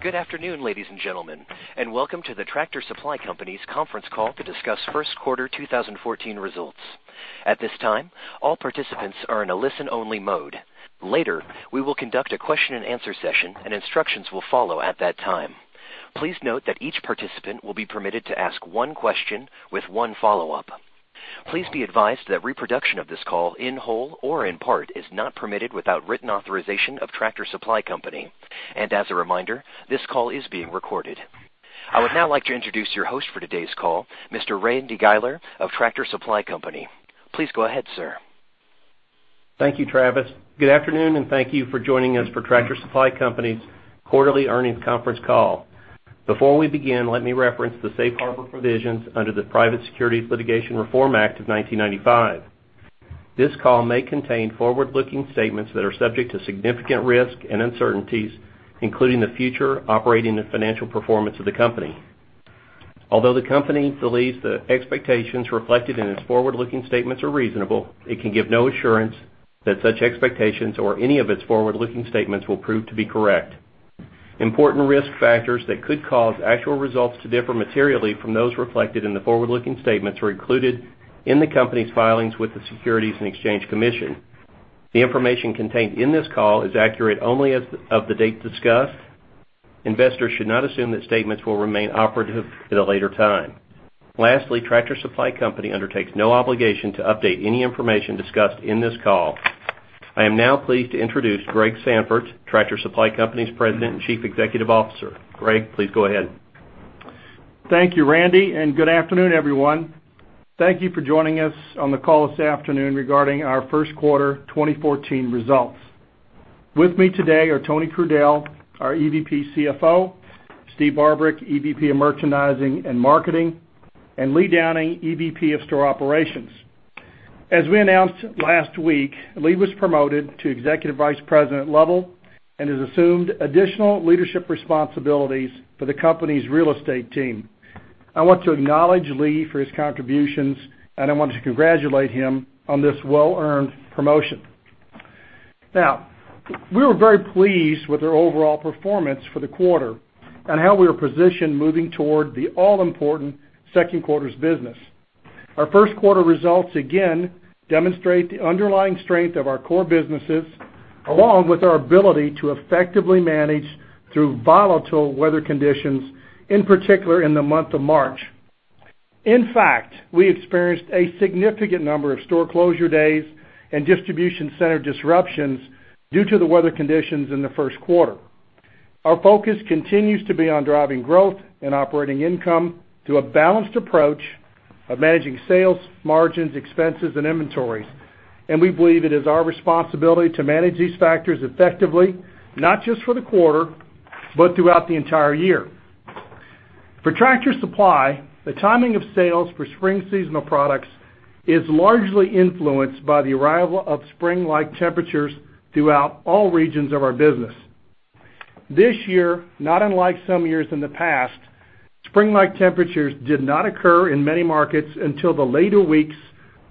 Good afternoon, ladies and gentlemen, and welcome to the Tractor Supply Company's conference call to discuss first quarter 2014 results. At this time, all participants are in a listen-only mode. Later, we will conduct a question and answer session and instructions will follow at that time. Please note that each participant will be permitted to ask one question with one follow-up. Please be advised that reproduction of this call, in whole or in part, is not permitted without written authorization of Tractor Supply Company. As a reminder, this call is being recorded. I would now like to introduce your host for today's call, Mr. Randy Guiler of Tractor Supply Company. Please go ahead, sir. Thank you, Travis. Good afternoon, and thank you for joining us for Tractor Supply Company's quarterly earnings conference call. Before we begin, let me reference the safe harbor provisions under the Private Securities Litigation Reform Act of 1995. This call may contain forward-looking statements that are subject to significant risk and uncertainties, including the future operating and financial performance of the company. Although the company believes the expectations reflected in its forward-looking statements are reasonable, it can give no assurance that such expectations or any of its forward-looking statements will prove to be correct. Important risk factors that could cause actual results to differ materially from those reflected in the forward-looking statements are included in the company's filings with the Securities and Exchange Commission. The information contained in this call is accurate only as of the date discussed. Investors should not assume that statements will remain operative at a later time. Lastly, Tractor Supply Company undertakes no obligation to update any information discussed in this call. I am now pleased to introduce Greg Sandfort, Tractor Supply Company's President and Chief Executive Officer. Greg, please go ahead. Thank you, Randy, and good afternoon, everyone. Thank you for joining us on the call this afternoon regarding our first quarter 2014 results. With me today are Tony Crudele, our EVP CFO, Steve Barbarick, EVP of Merchandising and Marketing, and Lee Downing, EVP of Store Operations. As we announced last week, Lee was promoted to executive vice president level and has assumed additional leadership responsibilities for the company's real estate team. I want to acknowledge Lee for his contributions, and I want to congratulate him on this well-earned promotion. We were very pleased with our overall performance for the quarter and how we are positioned moving toward the all-important second quarter's business. Our first quarter results again demonstrate the underlying strength of our core businesses, along with our ability to effectively manage through volatile weather conditions, in particular in the month of March. In fact, we experienced a significant number of store closure days and distribution center disruptions due to the weather conditions in the first quarter. Our focus continues to be on driving growth and operating income through a balanced approach of managing sales, margins, expenses, and inventories. We believe it is our responsibility to manage these factors effectively, not just for the quarter, but throughout the entire year. For Tractor Supply, the timing of sales for spring seasonal products is largely influenced by the arrival of spring-like temperatures throughout all regions of our business. This year, not unlike some years in the past, spring-like temperatures did not occur in many markets until the later weeks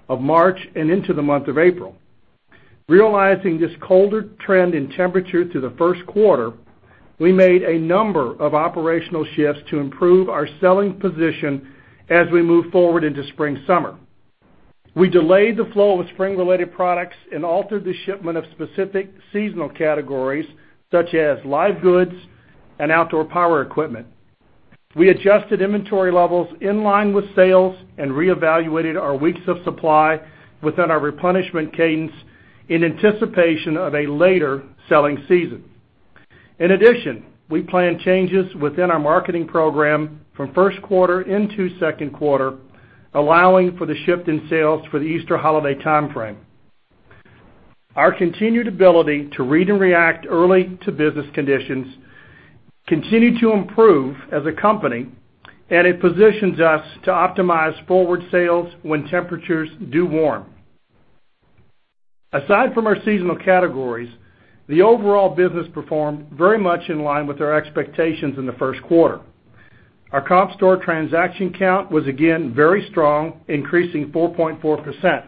of March and into the month of April. Realizing this colder trend in temperature through the first quarter, we made a number of operational shifts to improve our selling position as we move forward into spring/summer. We delayed the flow of spring-related products and altered the shipment of specific seasonal categories, such as live goods and outdoor power equipment. We adjusted inventory levels in line with sales and reevaluated our weeks of supply within our replenishment cadence in anticipation of a later selling season. In addition, we plan changes within our marketing program from first quarter into second quarter, allowing for the shift in sales for the Easter holiday timeframe. It positions us to optimize forward sales when temperatures do warm. Aside from our seasonal categories, the overall business performed very much in line with our expectations in the first quarter. Our comp store transaction count was again very strong, increasing 4.4%.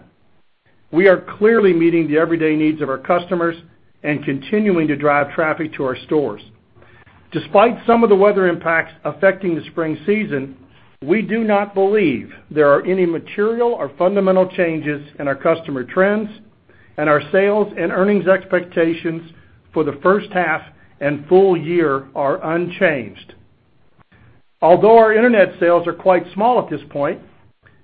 We are clearly meeting the everyday needs of our customers and continuing to drive traffic to our stores. Despite some of the weather impacts affecting the spring season, we do not believe there are any material or fundamental changes in our customer trends, and our sales and earnings expectations for the first half and full year are unchanged. Although our internet sales are quite small at this point,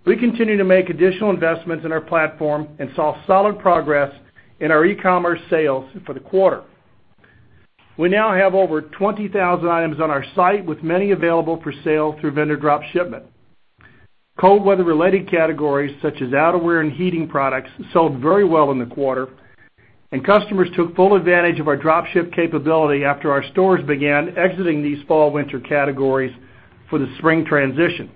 we continue to make additional investments in our platform and saw solid progress in our e-commerce sales for the quarter. We now have over 20,000 items on our site, with many available for sale through vendor drop shipment. Cold weather-related categories such as outerwear and heating products sold very well in the quarter. Customers took full advantage of our drop ship capability after our stores began exiting these fall/winter categories for the spring transition.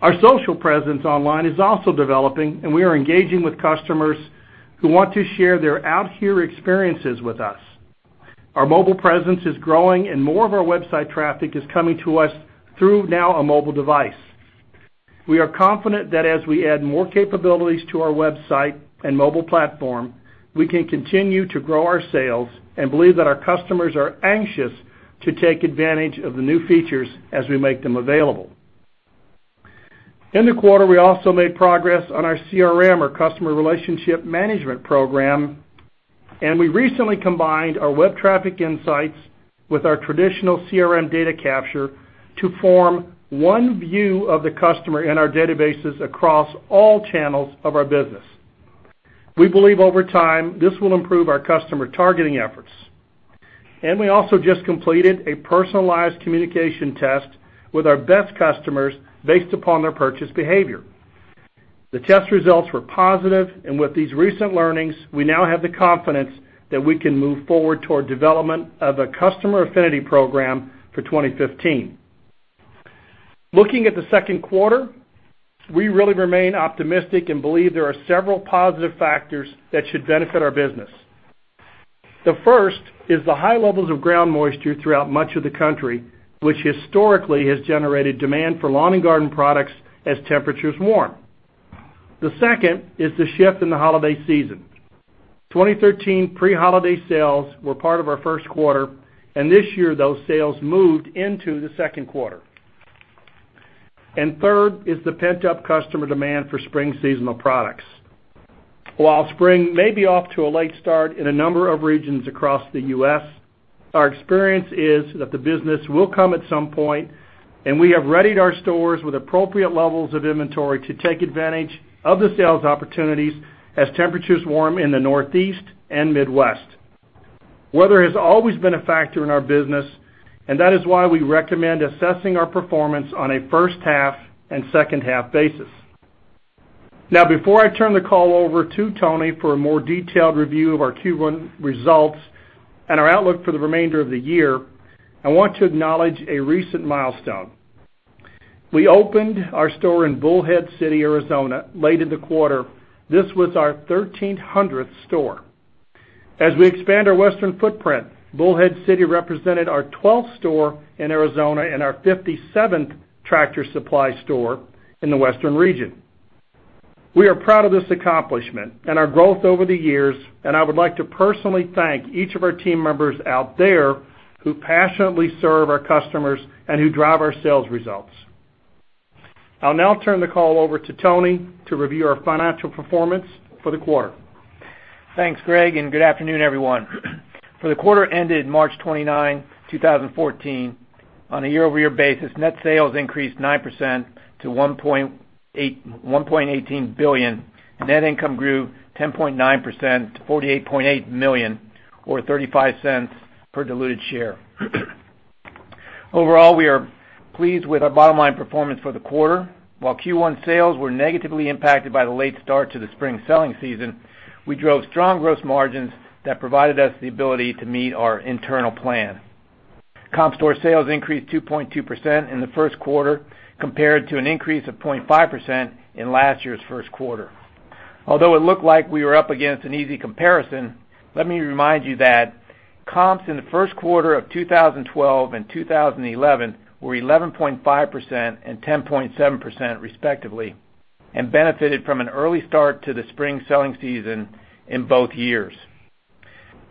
Our social presence online is also developing. We are engaging with customers who want to share their Out Here experiences with us. Our mobile presence is growing. More of our website traffic is coming to us through now a mobile device. We are confident that as we add more capabilities to our website and mobile platform, we can continue to grow our sales. We believe that our customers are anxious to take advantage of the new features as we make them available. In the quarter, we also made progress on our CRM, our customer relationship management program. We recently combined our web traffic insights with our traditional CRM data capture to form one view of the customer in our databases across all channels of our business. We believe over time, this will improve our customer targeting efforts. We also just completed a personalized communication test with our best customers based upon their purchase behavior. The test results were positive, and with these recent learnings, we now have the confidence that we can move forward toward development of a customer affinity program for 2015. Looking at the second quarter, we really remain optimistic and believe there are several positive factors that should benefit our business. The first is the high levels of ground moisture throughout much of the country, which historically has generated demand for lawn and garden products as temperatures warm. The second is the shift in the holiday season. 2013 pre-holiday sales were part of our first quarter, and this year, those sales moved into the second quarter. Third is the pent-up customer demand for spring seasonal products. While spring may be off to a late start in a number of regions across the U.S., our experience is that the business will come at some point, and we have readied our stores with appropriate levels of inventory to take advantage of the sales opportunities as temperatures warm in the Northeast and Midwest. Weather has always been a factor in our business, and that is why we recommend assessing our performance on a first-half and second-half basis. Now, before I turn the call over to Tony for a more detailed review of our Q1 results and our outlook for the remainder of the year, I want to acknowledge a recent milestone. We opened our store in Bullhead City, Arizona, late in the quarter. This was our 1,300th store. As we expand our Western footprint, Bullhead City represented our 12th store in Arizona and our 57th Tractor Supply store in the Western Region. We are proud of this accomplishment and our growth over the years, and I would like to personally thank each of our team members out there who passionately serve our customers and who drive our sales results. I'll now turn the call over to Tony to review our financial performance for the quarter. Thanks, Greg, and good afternoon, everyone. For the quarter ended March 29, 2014, on a year-over-year basis, net sales increased 9% to $1.18 billion. Net income grew 10.9% to $48.8 million, or $0.35 per diluted share. Overall, we are pleased with our bottom line performance for the quarter. While Q1 sales were negatively impacted by the late start to the spring selling season, we drove strong gross margins that provided us the ability to meet our internal plan. Comp store sales increased 2.2% in the first quarter, compared to an increase of 0.5% in last year's first quarter. Although it looked like we were up against an easy comparison, let me remind you that comps in the first quarter of 2012 and 2011 were 11.5% and 10.7% respectively, and benefited from an early start to the spring selling season in both years.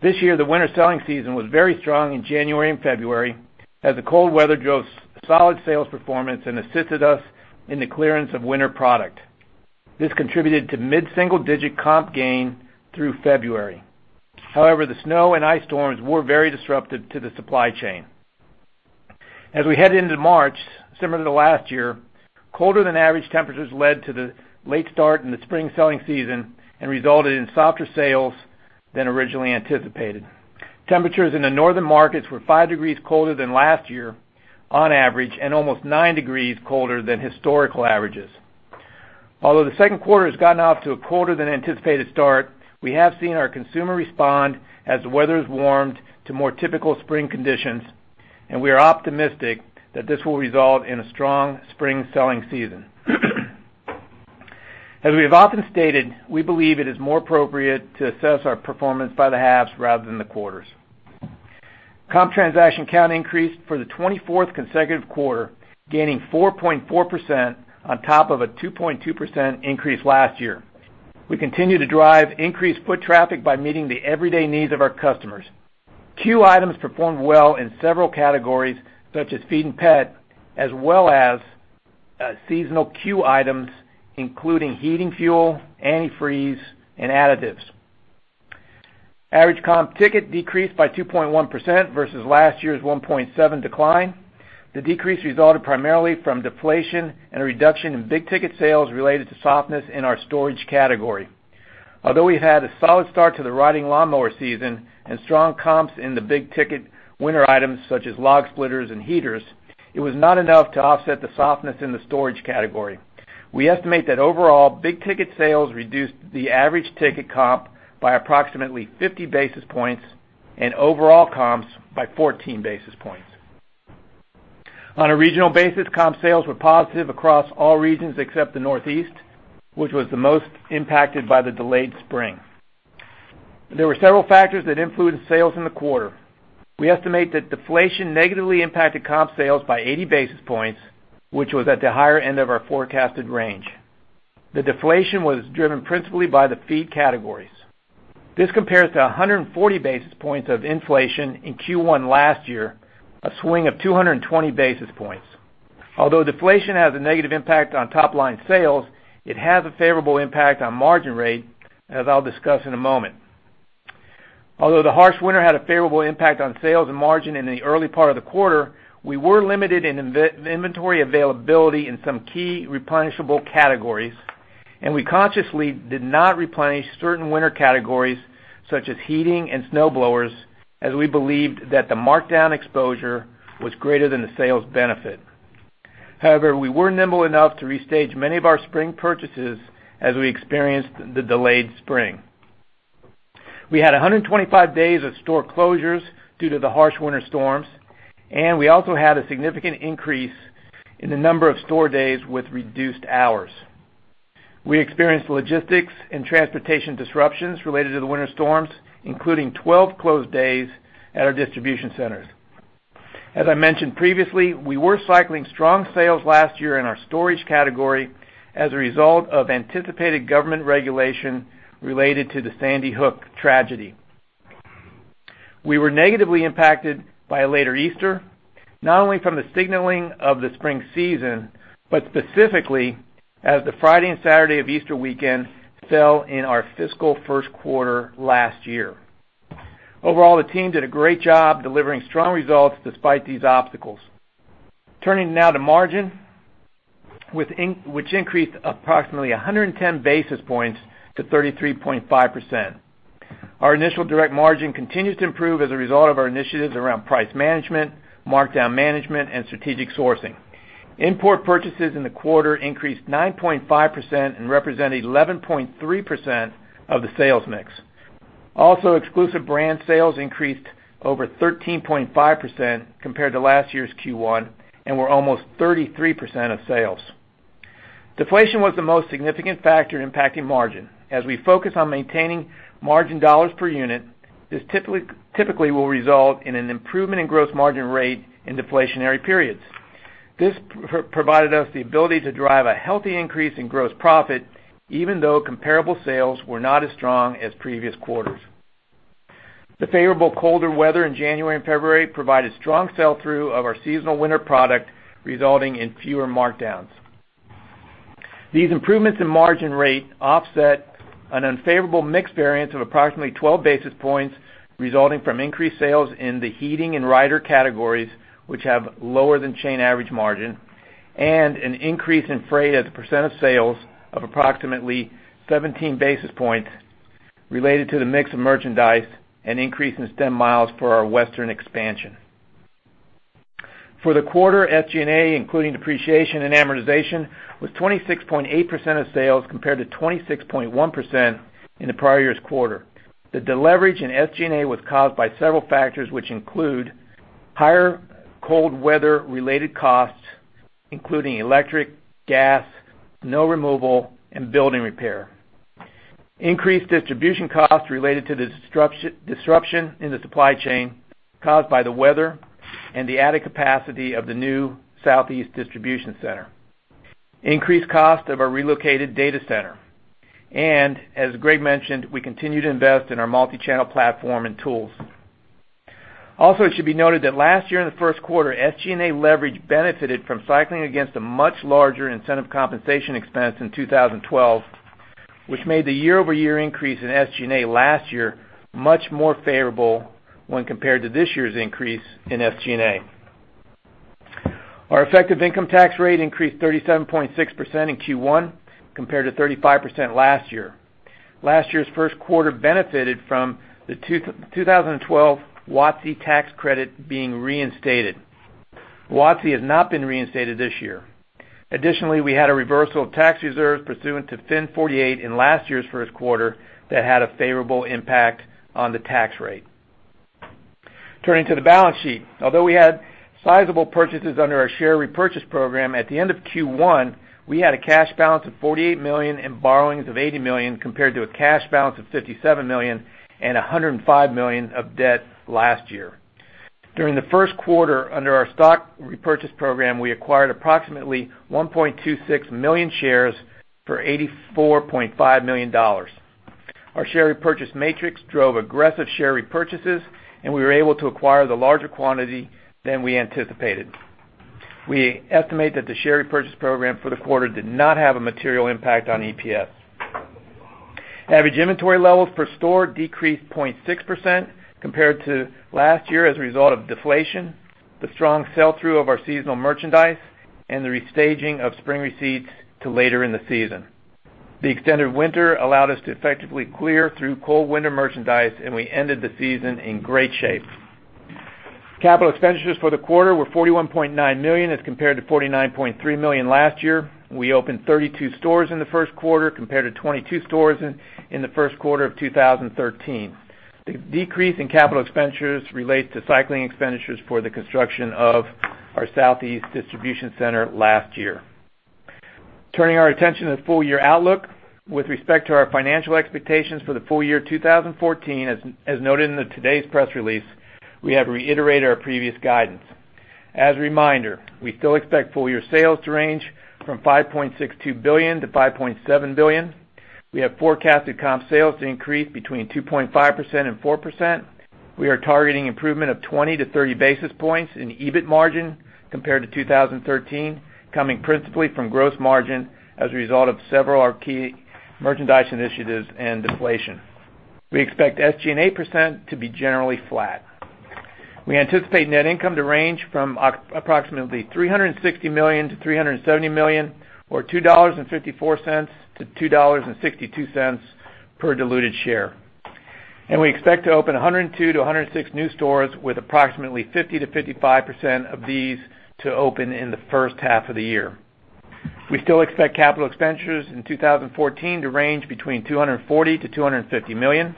This year, the winter selling season was very strong in January and February as the cold weather drove solid sales performance and assisted us in the clearance of winter product. This contributed to mid-single-digit comp gain through February. However, the snow and ice storms were very disruptive to the supply chain. As we head into March, similar to last year, colder-than-average temperatures led to the late start in the spring selling season and resulted in softer sales than originally anticipated. Temperatures in the northern markets were five degrees colder than last year on average and almost nine degrees colder than historical averages. Although the second quarter has gotten off to a colder-than-anticipated start, we have seen our consumer respond as the weather has warmed to more typical spring conditions, and we are optimistic that this will result in a strong spring selling season. As we have often stated, we believe it is more appropriate to assess our performance by the halves rather than the quarters. Comp transaction count increased for the 24th consecutive quarter, gaining 4.4% on top of a 2.2% increase last year. We continue to drive increased foot traffic by meeting the everyday needs of our customers. C.U.E. items performed well in several categories, such as feed and pet, as well as seasonal C.U.E. items, including heating fuel, antifreeze, and additives. Average comp ticket decreased by 2.1% versus last year's 1.7% decline. The decrease resulted primarily from deflation and a reduction in big-ticket sales related to softness in our storage category. Although we had a solid start to the riding lawnmower season and strong comps in the big-ticket winter items such as log splitters and heaters, it was not enough to offset the softness in the storage category. We estimate that overall, big-ticket sales reduced the average ticket comp by approximately 50 basis points and overall comps by 14 basis points. On a regional basis, comp sales were positive across all regions except the Northeast, which was the most impacted by the delayed spring. There were several factors that influenced sales in the quarter. We estimate that deflation negatively impacted comp sales by 80 basis points, which was at the higher end of our forecasted range. The deflation was driven principally by the feed categories. This compares to 140 basis points of inflation in Q1 last year, a swing of 220 basis points. Although deflation has a negative impact on top-line sales, it has a favorable impact on margin rate, as I'll discuss in a moment. Although the harsh winter had a favorable impact on sales and margin in the early part of the quarter, we were limited in inventory availability in some key replenishable categories, and we consciously did not replenish certain winter categories such as heating and snowblowers, as we believed that the markdown exposure was greater than the sales benefit. However, we were nimble enough to restage many of our spring purchases as we experienced the delayed spring. We had 125 days of store closures due to the harsh winter storms, and we also had a significant increase in the number of store days with reduced hours. We experienced logistics and transportation disruptions related to the winter storms, including 12 closed days at our distribution centers. I mentioned previously, we were cycling strong sales last year in our storage category as a result of anticipated government regulation related to the Sandy Hook tragedy. We were negatively impacted by a later Easter, not only from the signaling of the spring season, but specifically as the Friday and Saturday of Easter weekend fell in our fiscal first quarter last year. Overall, the team did a great job delivering strong results despite these obstacles. Turning now to margin, which increased approximately 110 basis points to 33.5%. Our initial direct margin continues to improve as a result of our initiatives around price management, markdown management, and strategic sourcing. Import purchases in the quarter increased 9.5% and represent 11.3% of the sales mix. Also, exclusive brand sales increased over 13.5% compared to last year's Q1 and were almost 33% of sales. Deflation was the most significant factor impacting margin. We focus on maintaining margin dollars per unit, this typically will result in an improvement in gross margin rate in deflationary periods. This provided us the ability to drive a healthy increase in gross profit, even though comparable sales were not as strong as previous quarters. The favorable colder weather in January and February provided strong sell-through of our seasonal winter product, resulting in fewer markdowns. These improvements in margin rate offset an unfavorable mix variance of approximately 12 basis points, resulting from increased sales in the heating and rider categories, which have lower than chain average margin, and an increase in freight as a percent of sales of approximately 17 basis points related to the mix of merchandise and increase in stem miles for our Western expansion. For the quarter, SG&A, including depreciation and amortization, was 26.8% of sales compared to 26.1% in the prior year's quarter. The deleverage in SG&A was caused by several factors, which include higher cold weather-related costs, including electric, gas, snow removal, and building repair. Increased distribution costs related to the disruption in the supply chain caused by the weather and the added capacity of the new Southeast distribution center. Increased cost of our relocated data center. As Greg mentioned, we continue to invest in our multi-channel platform and tools. Also, it should be noted that last year in the first quarter, SG&A leverage benefited from cycling against a much larger incentive compensation expense in 2012, which made the year-over-year increase in SG&A last year much more favorable when compared to this year's increase in SG&A. Our effective income tax rate increased 37.6% in Q1 compared to 35% last year. Last year's first quarter benefited from the 2012 WOTC tax credit being reinstated. WOTC has not been reinstated this year. Additionally, we had a reversal of tax reserves pursuant to FIN 48 in last year's first quarter that had a favorable impact on the tax rate. Turning to the balance sheet. Although we had sizable purchases under our share repurchase program at the end of Q1, we had a cash balance of $48 million and borrowings of $80 million, compared to a cash balance of $57 million and $105 million of debt last year. During the first quarter, under our stock repurchase program, we acquired approximately 1.26 million shares for $84.5 million. Our share repurchase matrix drove aggressive share repurchases, and we were able to acquire the larger quantity than we anticipated. We estimate that the share repurchase program for the quarter did not have a material impact on EPS. Average inventory levels per store decreased 0.6% compared to last year as a result of deflation, the strong sell-through of our seasonal merchandise, and the restaging of spring receipts to later in the season. The extended winter allowed us to effectively clear through cold winter merchandise, and we ended the season in great shape. Capital expenditures for the quarter were $41.9 million as compared to $49.3 million last year. We opened 32 stores in the first quarter compared to 22 stores in the first quarter of 2013. The decrease in capital expenditures relates to cycling expenditures for the construction of our Southeast distribution center last year. Turning our attention to the full-year outlook. With respect to our financial expectations for the full year 2014, as noted in today's press release, we have reiterated our previous guidance. As a reminder, we still expect full-year sales to range from $5.62 billion-$5.7 billion. We have forecasted comp sales to increase between 2.5%-4%. We are targeting improvement of 20 to 30 basis points in EBIT margin compared to 2013, coming principally from gross margin as a result of several of our key merchandise initiatives and deflation. We expect SG&A% to be generally flat. We anticipate net income to range from approximately $360 million-$370 million, or $2.54-$2.62 per diluted share. We expect to open 102-106 new stores, with approximately 50%-55% of these to open in the first half of the year. We still expect capital expenditures in 2014 to range between $240 million-$250 million.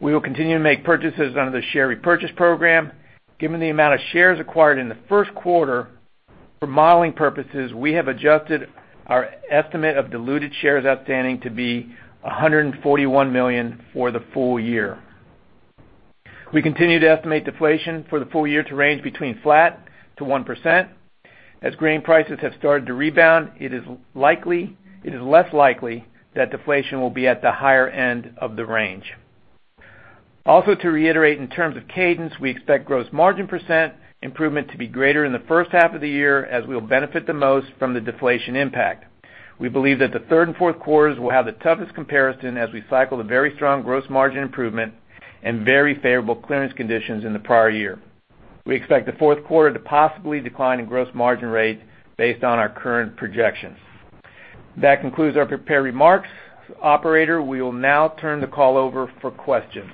We will continue to make purchases under the share repurchase program. Given the amount of shares acquired in the first quarter, for modeling purposes, we have adjusted our estimate of diluted shares outstanding to be 141 million for the full year. We continue to estimate deflation for the full year to range between flat-1%. As grain prices have started to rebound, it is less likely that deflation will be at the higher end of the range. To reiterate, in terms of cadence, we expect gross margin percent improvement to be greater in the first half of the year as we'll benefit the most from the deflation impact. We believe that the third and fourth quarters will have the toughest comparison as we cycle the very strong gross margin improvement and very favorable clearance conditions in the prior year. We expect the fourth quarter to possibly decline in gross margin rate based on our current projections. That concludes our prepared remarks. Operator, we will now turn the call over for questions.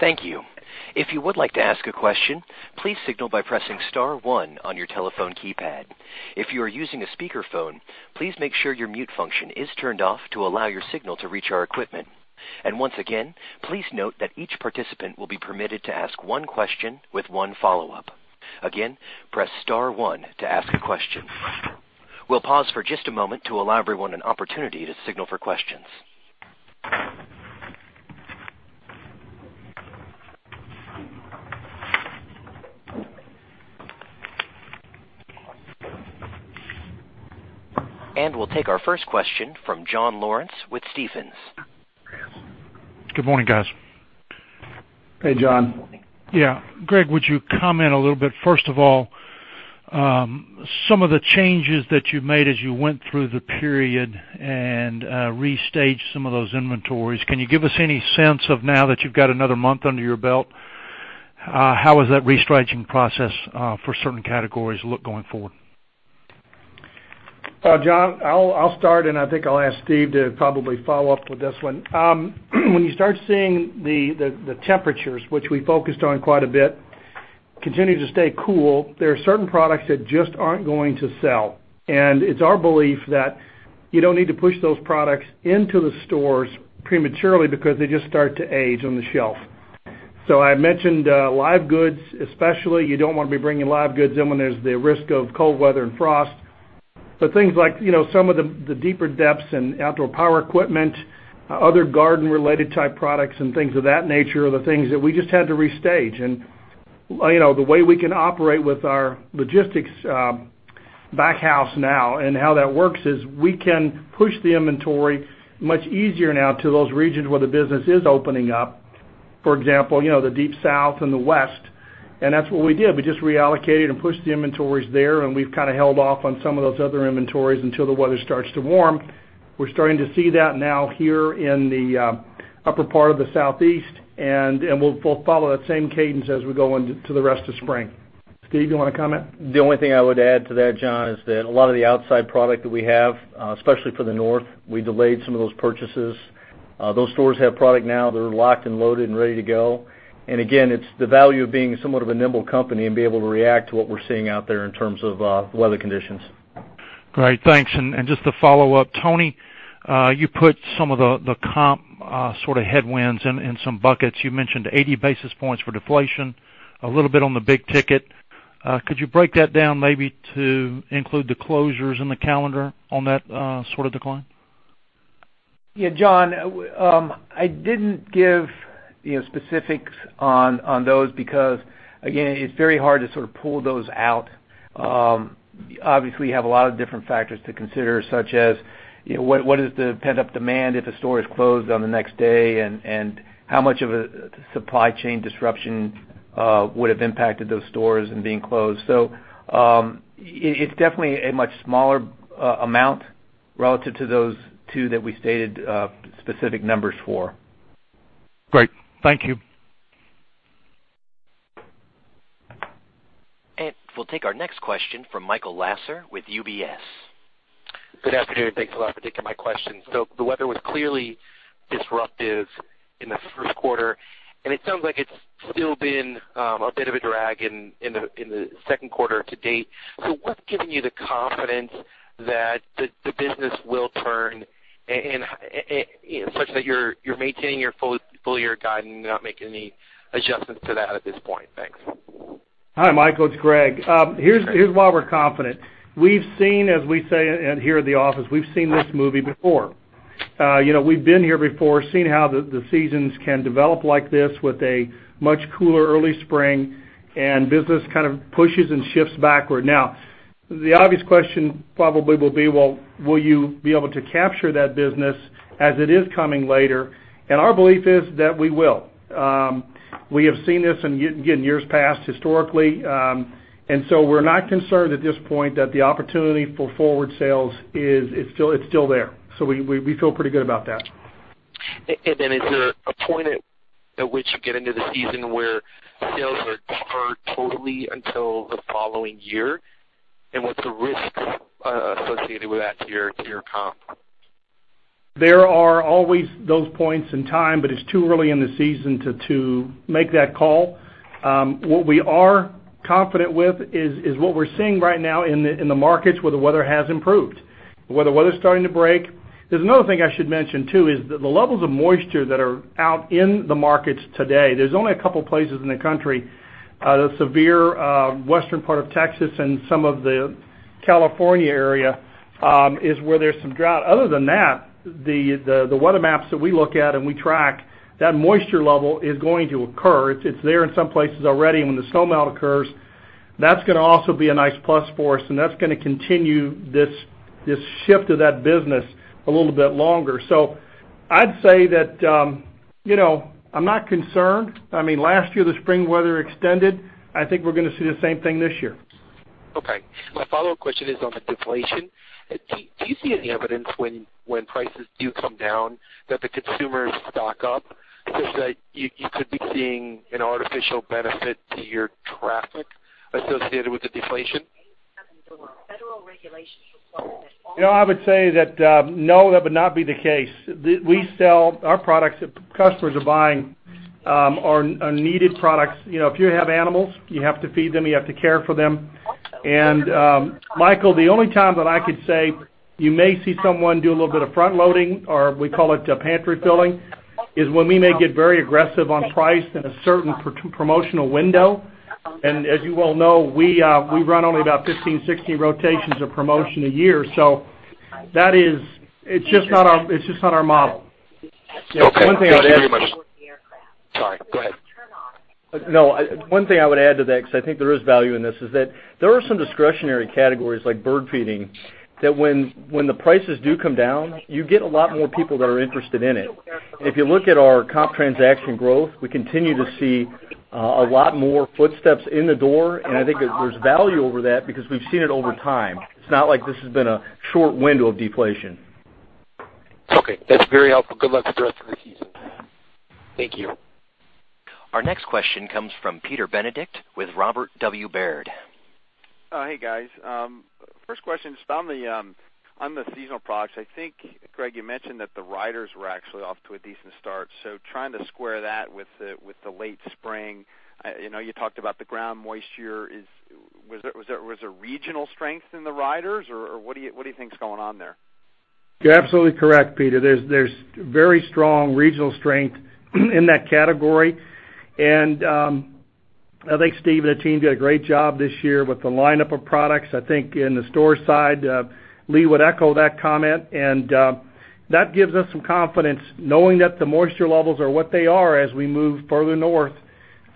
Thank you. If you would like to ask a question, please signal by pressing *1 on your telephone keypad. If you are using a speakerphone, please make sure your mute function is turned off to allow your signal to reach our equipment. Once again, please note that each participant will be permitted to ask one question with one follow-up. Again, press *1 to ask a question. We'll pause for just a moment to allow everyone an opportunity to signal for questions. We'll take our first question from John Lawrence with Stephens. Good morning, guys. Hey, John. Yeah. Greg, would you comment a little bit, first of all, some of the changes that you've made as you went through the period and restaged some of those inventories. Can you give us any sense of now that you've got another month under your belt, how does that restaging process for certain categories look going forward? John, I'll start. I think I'll ask Steve to probably follow up with this one. When you start seeing the temperatures, which we focused on quite a bit, continue to stay cool, there are certain products that just aren't going to sell. It's our belief that you don't need to push those products into the stores prematurely because they just start to age on the shelf. I mentioned live goods especially. You don't want to be bringing live goods in when there's the risk of cold weather and frost. Things like some of the deeper depths and outdoor power equipment, other garden-related type products and things of that nature are the things that we just had to restage. The way we can operate with our logistics back house now and how that works is we can push the inventory much easier now to those regions where the business is opening up. For example, the Deep South and the West, and that's what we did. We just reallocated and pushed the inventories there, and we've kind of held off on some of those other inventories until the weather starts to warm. We're starting to see that now here in the upper part of the Southeast, and we'll follow that same cadence as we go into the rest of spring. Steve, do you want to comment? The only thing I would add to that, John, is that a lot of the outside product that we have, especially for the North, we delayed some of those purchases. Those stores have product now. They're locked and loaded and ready to go. Again, it's the value of being somewhat of a nimble company and being able to react to what we're seeing out there in terms of weather conditions. Great. Thanks. Just to follow up, Tony, you put some of the comp sort of headwinds in some buckets. You mentioned 80 basis points for deflation, a little bit on the big ticket. Could you break that down maybe to include the closures in the calendar on that sort of decline? Yeah, John, I didn't give specifics on those because, again, it's very hard to sort of pull those out. Obviously, you have a lot of different factors to consider, such as what is the pent-up demand if a store is closed on the next day, and how much of a supply chain disruption would have impacted those stores in being closed. It's definitely a much smaller amount relative to those two that we stated specific numbers for. Great. Thank you. We'll take our next question from Michael Lasser with UBS. Good afternoon. Thanks a lot for taking my question. The weather was clearly disruptive in the first quarter, and it sounds like it's still been a bit of a drag in the second quarter to date. What's giving you the confidence that the business will turn such that you're maintaining your full-year guide and not making any adjustments to that at this point? Thanks. Hi, Michael, it's Greg. Here's why we're confident. We've seen, as we say here at the office, we've seen this movie before. We've been here before, seen how the seasons can develop like this with a much cooler early spring, and business kind of pushes and shifts backward. The obvious question probably will be, well, will you be able to capture that business as it is coming later? Our belief is that we will. We have seen this in years past, historically. We're not concerned at this point that the opportunity for forward sales is still there. We feel pretty good about that. Is there a point at which you get into the season where sales are deferred totally until the following year? What's the risks associated with that to your comp? There are always those points in time, but it's too early in the season to make that call. What we are confident with is what we're seeing right now in the markets where the weather has improved, where the weather's starting to break. There's another thing I should mention, too, is that the levels of moisture that are out in the markets today, there's only a couple places in the country, the severe western part of Texas and some of the California area, is where there's some drought. Other than that, the weather maps that we look at and we track, that moisture level is going to occur. It's there in some places already. When the snow melt occurs, that's going to also be a nice plus for us, and that's going to continue this shift of that business a little bit longer. I'd say that I'm not concerned. Last year, the spring weather extended. I think we're going to see the same thing this year. Okay. My follow-up question is on the deflation. Do you see any evidence when prices do come down that the consumers stock up such that you could be seeing an artificial benefit to your traffic associated with the deflation? I would say that, no, that would not be the case. Our products that customers are buying are needed products. If you have animals, you have to feed them, you have to care for them. Michael, the only time that I could say you may see someone do a little bit of front-loading, or we call it pantry filling, is when we may get very aggressive on price in a certain promotional window. As you well know, we run only about 15, 16 rotations of promotion a year. It's just not our model. Okay. Thank you very much. Sorry, go ahead. No, one thing I would add to that, because I think there is value in this, is that there are some discretionary categories like bird feeding, that when the prices do come down, you get a lot more people that are interested in it. If you look at our comp transaction growth, we continue to see a lot more footsteps in the door, and I think there's value over that because we've seen it over time. It's not like this has been a short window of deflation. Okay. That's very helpful. Good luck the rest of the season. Thank you. Our next question comes from Peter Benedict with Robert W. Baird. Hey, guys. First question is on the seasonal products. I think, Greg, you mentioned that the riders were actually off to a decent start. Trying to square that with the late spring. You talked about the ground moisture. Was there regional strength in the riders, or what do you think is going on there? You're absolutely correct, Peter. There's very strong regional strength in that category. I think Steve and the team did a great job this year with the lineup of products. I think in the store side, Lee would echo that comment, and that gives us some confidence knowing that the moisture levels are what they are as we move further north,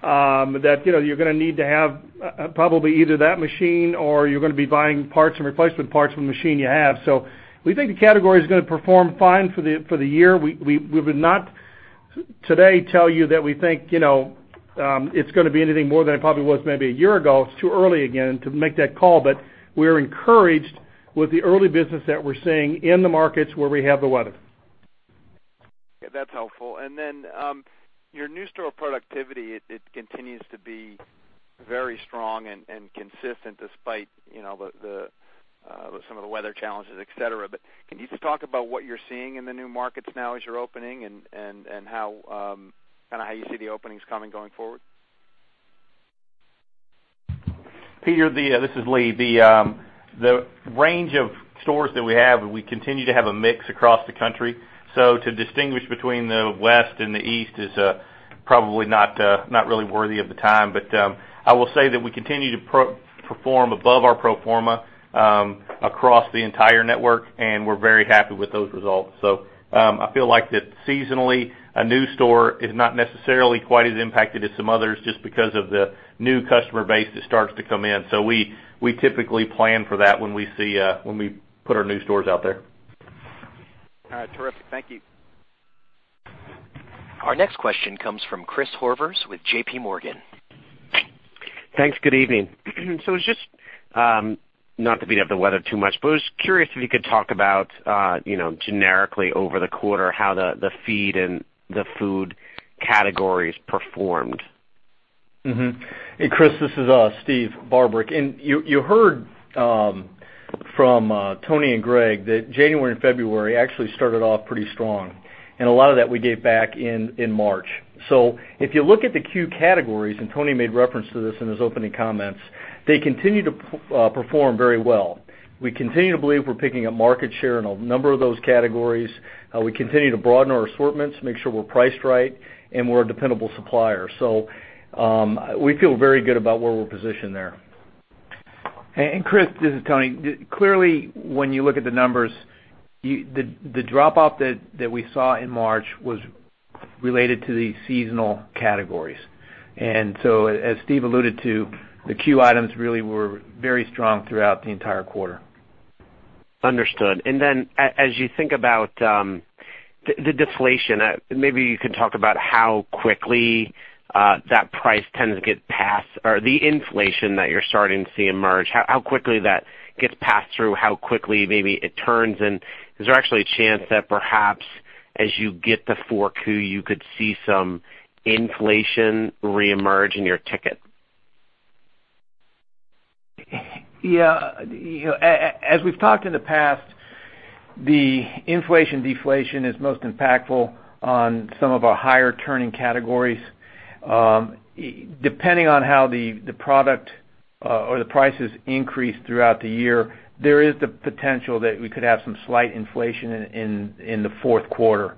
that you're going to need to have probably either that machine or you're going to be buying parts and replacement parts for the machine you have. We think the category is going to perform fine for the year. We would not today tell you that we think it's going to be anything more than it probably was maybe a year ago. It's too early, again, to make that call. We're encouraged with the early business that we're seeing in the markets where we have the weather. That's helpful. Your new store productivity, it continues to be very strong and consistent despite some of the weather challenges, et cetera. Can you just talk about what you're seeing in the new markets now as you're opening and how you see the openings coming going forward? Peter, this is Lee. The range of stores that we have, we continue to have a mix across the country. To distinguish between the West and the East is probably not really worthy of the time. I will say that we continue to perform above our pro forma across the entire network, and we're very happy with those results. I feel like that seasonally, a new store is not necessarily quite as impacted as some others just because of the new customer base that starts to come in. We typically plan for that when we put our new stores out there. All right. Terrific. Thank you. Our next question comes from Christopher Horvers with J.P. Morgan. Thanks. Good evening. Just not to beat up the weather too much, I was curious if you could talk about generically over the quarter how the feed and the food categories performed. Chris, this is Steve Barbarick. You heard from Tony Crudele and Greg Sandfort that January and February actually started off pretty strong, a lot of that we gave back in March. If you look at the C.U.E. categories, Tony Crudele made reference to this in his opening comments, they continue to perform very well. We continue to believe we're picking up market share in a number of those categories. We continue to broaden our assortments, make sure we're priced right, and we're a dependable supplier. We feel very good about where we're positioned there. Chris, this is Tony Crudele. Clearly, when you look at the numbers, the dropout that we saw in March was related to the seasonal categories. As Steve Barbarick alluded to, the C.U.E. items really were very strong throughout the entire quarter. Understood. As you think about the deflation, maybe you can talk about how quickly that price tends to get passed or the inflation that you're starting to see emerge, how quickly that gets passed through, how quickly maybe it turns, and is there actually a chance that perhaps as you get to 4Q, you could see some inflation reemerge in your ticket? Yeah. As we've talked in the past, the inflation deflation is most impactful on some of our higher-turning categories. Depending on how the product or the prices increase throughout the year, there is the potential that we could have some slight inflation in the fourth quarter.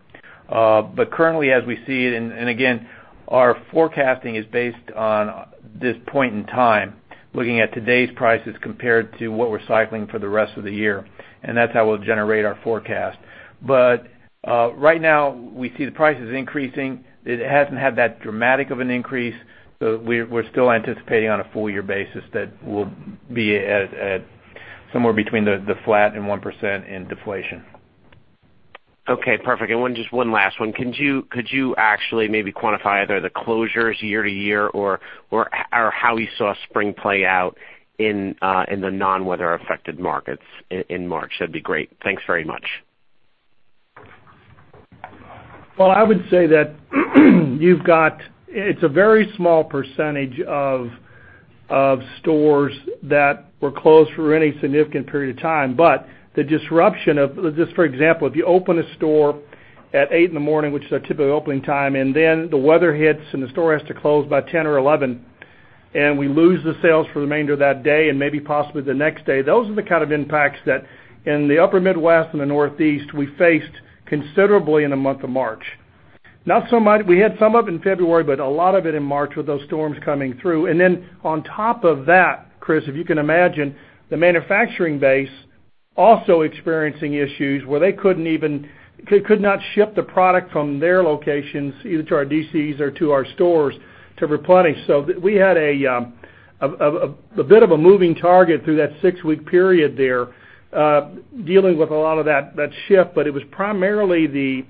Currently, as we see it, and again, our forecasting is based on this point in time, looking at today's prices compared to what we're cycling for the rest of the year, and that's how we'll generate our forecast. Right now, we see the prices increasing. It hasn't had that dramatic of an increase, so we're still anticipating on a full-year basis that we'll be at somewhere between the flat and 1% in deflation. Okay, perfect. Just one last one. Could you actually maybe quantify either the closures year-to-year or how you saw spring play out in the non-weather-affected markets in March? That'd be great. Thanks very much. Well, I would say that it's a very small percentage of stores that were closed for any significant period of time. The disruption, just for example, if you open a store at 8:00 A.M., which is our typical opening time, the weather hits and the store has to close by 10:00 A.M. or 11:00 A.M., we lose the sales for the remainder of that day and maybe possibly the next day, those are the kind of impacts that in the Upper Midwest and the Northeast, we faced considerably in the month of March. We had some of it in February, a lot of it in March with those storms coming through. On top of that, Chris, if you can imagine, the manufacturing base also experiencing issues where they could not ship the product from their locations, either to our DCs or to our stores to replenish. We had a bit of a moving target through that six-week period there dealing with a lot of that ship. It was primarily the,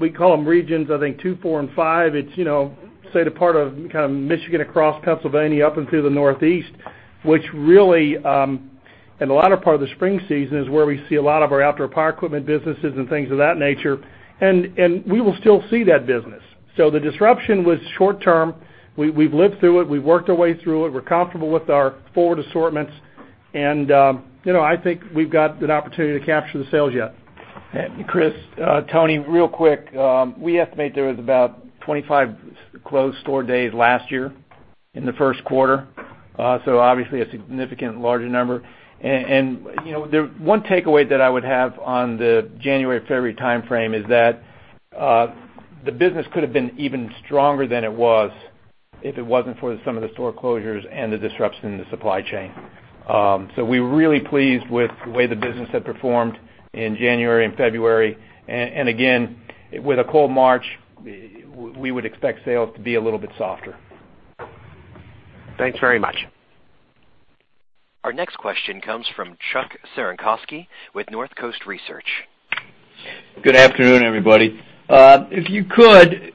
we call them regions, I think, 2, 4, and 5. It's the part of Michigan across Pennsylvania up into the Northeast, which really, in the latter part of the spring season, is where we see a lot of our outdoor power equipment businesses and things of that nature. We will still see that business. The disruption was short-term. We've lived through it. We've worked our way through it. We're comfortable with our forward assortments. I think we've got an opportunity to capture the sales yet. Chris, Tony, real quick. We estimate there was about 25 closed store days last year in the first quarter. Obviously, a significantly larger number. The one takeaway that I would have on the January-February timeframe is that the business could have been even stronger than it was if it wasn't for some of the store closures and the disruption in the supply chain. We're really pleased with the way the business had performed in January and February. Again, with a cold March, we would expect sales to be a little bit softer. Thanks very much. Our next question comes from Chuck Cerankosky with Northcoast Research. Good afternoon, everybody. If you could,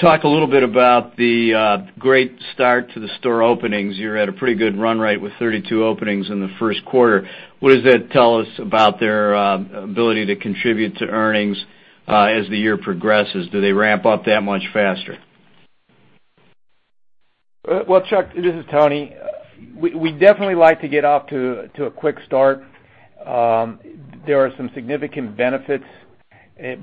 talk a little bit about the great start to the store openings. You had a pretty good run rate with 32 openings in the first quarter. What does that tell us about their ability to contribute to earnings as the year progresses? Do they ramp up that much faster? Well, Chuck Cerankosky, this is Tony. We definitely like to get off to a quick start. There are some significant benefits,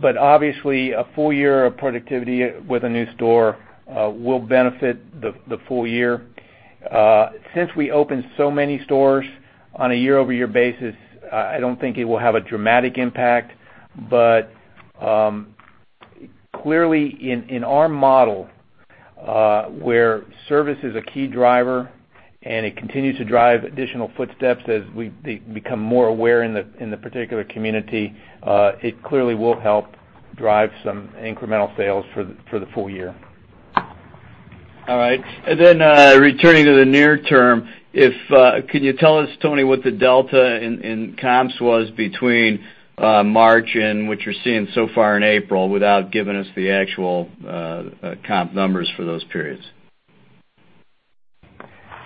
but obviously, a full year of productivity with a new store will benefit the full year. Since we opened so many stores on a year-over-year basis, I don't think it will have a dramatic impact, but clearly, in our model, where service is a key driver and it continues to drive additional footsteps as we become more aware in the particular community, it clearly will help drive some incremental sales for the full year. All right. Returning to the near term, can you tell us, Tony, what the delta in comps was between March and what you're seeing so far in April without giving us the actual comp numbers for those periods?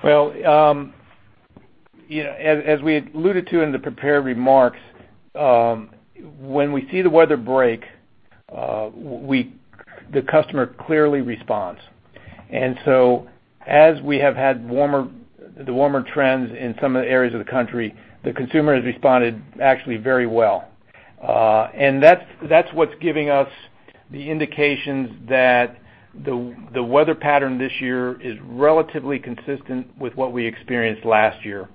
As we alluded to in the prepared remarks, when we see the weather break, the customer clearly responds. As we have had the warmer trends in some of the areas of the country, the consumer has responded actually very well. That's what's giving us the indications that the weather pattern this year is relatively consistent with what we experienced last year.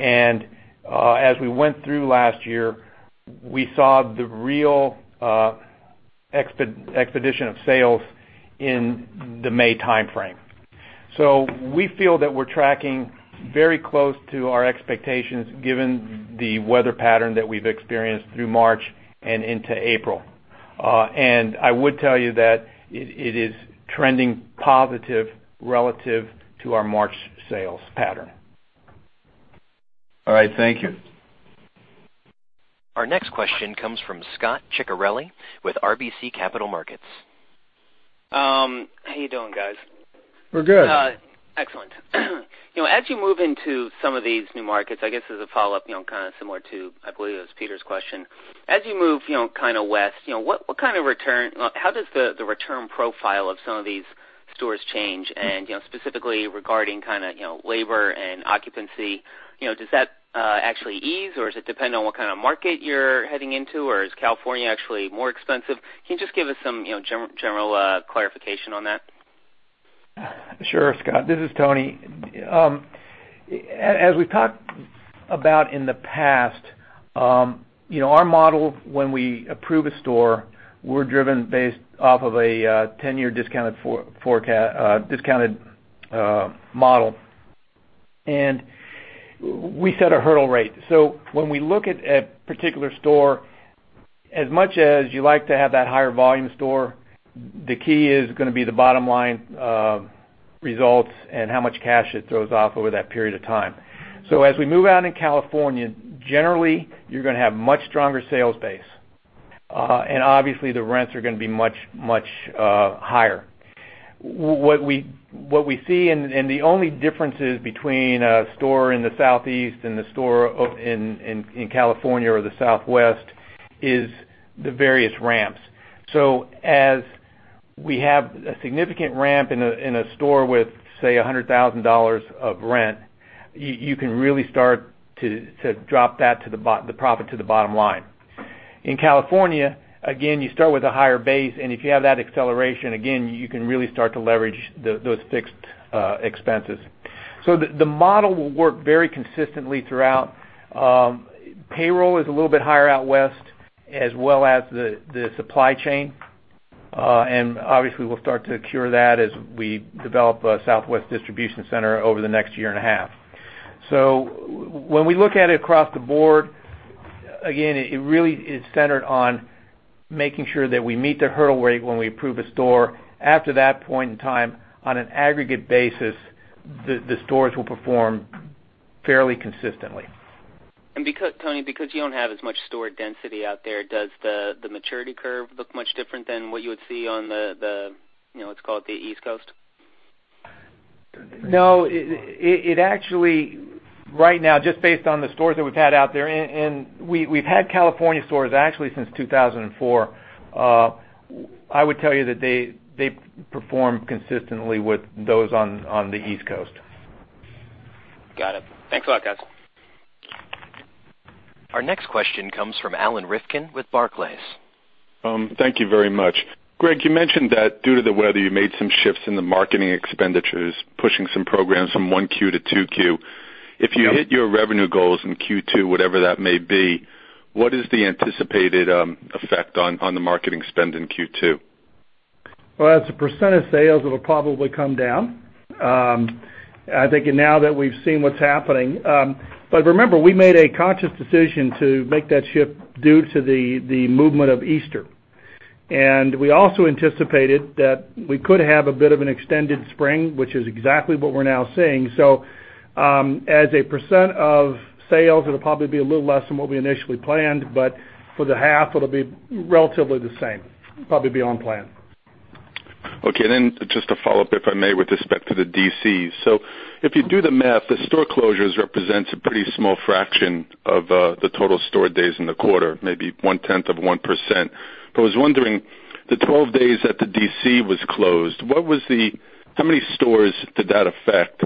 As we went through last year, we saw the real expedition of sales in the May timeframe. We feel that we're tracking very close to our expectations given the weather pattern that we've experienced through March and into April. I would tell you that it is trending positive relative to our March sales pattern. All right. Thank you. Our next question comes from Scot Ciccarelli with RBC Capital Markets. How are you doing, guys? We're good. Excellent. As you move into some of these new markets, I guess as a follow-up, similar to, I believe it was Peter's question. As you move west, how does the return profile of some of these stores change and, specifically regarding labor and occupancy, does that actually ease, or does it depend on what kind of market you're heading into? Or is California actually more expensive? Can you just give us some general clarification on that? Sure, Scot, this is Tony. As we've talked about in the past, our model when we approve a store, we're driven based off of a 10-year discounted model, and we set a hurdle rate. When we look at a particular store, as much as you like to have that higher volume store, the key is going to be the bottom line results and how much cash it throws off over that period of time. As we move out in California, generally, you're going to have much stronger sales base. Obviously, the rents are going to be much higher. What we see, and the only differences between a store in the Southeast and the store in California or the Southwest, is the various ramps. As we have a significant ramp in a store with, say, $100,000 of rent, you can really start to drop the profit to the bottom line. In California, again, you start with a higher base, and if you have that acceleration, again, you can really start to leverage those fixed expenses. The model will work very consistently throughout. Payroll is a little bit higher out West as well as the supply chain. Obviously, we'll start to cure that as we develop a Southwest distribution center over the next year and a half. When we look at it across the board, again, it really is centered on making sure that we meet the hurdle rate when we approve a store. After that point in time, on an aggregate basis, the stores will perform fairly consistently. Tony, because you don't have as much store density out there, does the maturity curve look much different than what you would see on the, let's call it the East Coast? No, it actually, right now, just based on the stores that we've had out there, and we've had California stores actually since 2004, I would tell you that they perform consistently with those on the East Coast. Got it. Thanks a lot, guys. Our next question comes from Alan Rifkin with Barclays. Thank you very much. Greg, you mentioned that due to the weather, you made some shifts in the marketing expenditures, pushing some programs from Q1 to Q2. Yep. If you hit your revenue goals in Q2, whatever that may be, what is the anticipated effect on the marketing spend in Q2? Well, as a % of sales, it'll probably come down. I think now that we've seen what's happening. Remember, we made a conscious decision to make that shift due to the movement of Easter. We also anticipated that we could have a bit of an extended spring, which is exactly what we're now seeing. As a % of sales, it'll probably be a little less than what we initially planned, but for the half, it'll be relatively the same, probably be on plan. Okay, just to follow up, if I may, with respect to the DCs. If you do the math, the store closures represents a pretty small fraction of the total store days in the quarter, maybe one-tenth of 1%. I was wondering, the 12 days that the DC was closed, how many stores did that affect?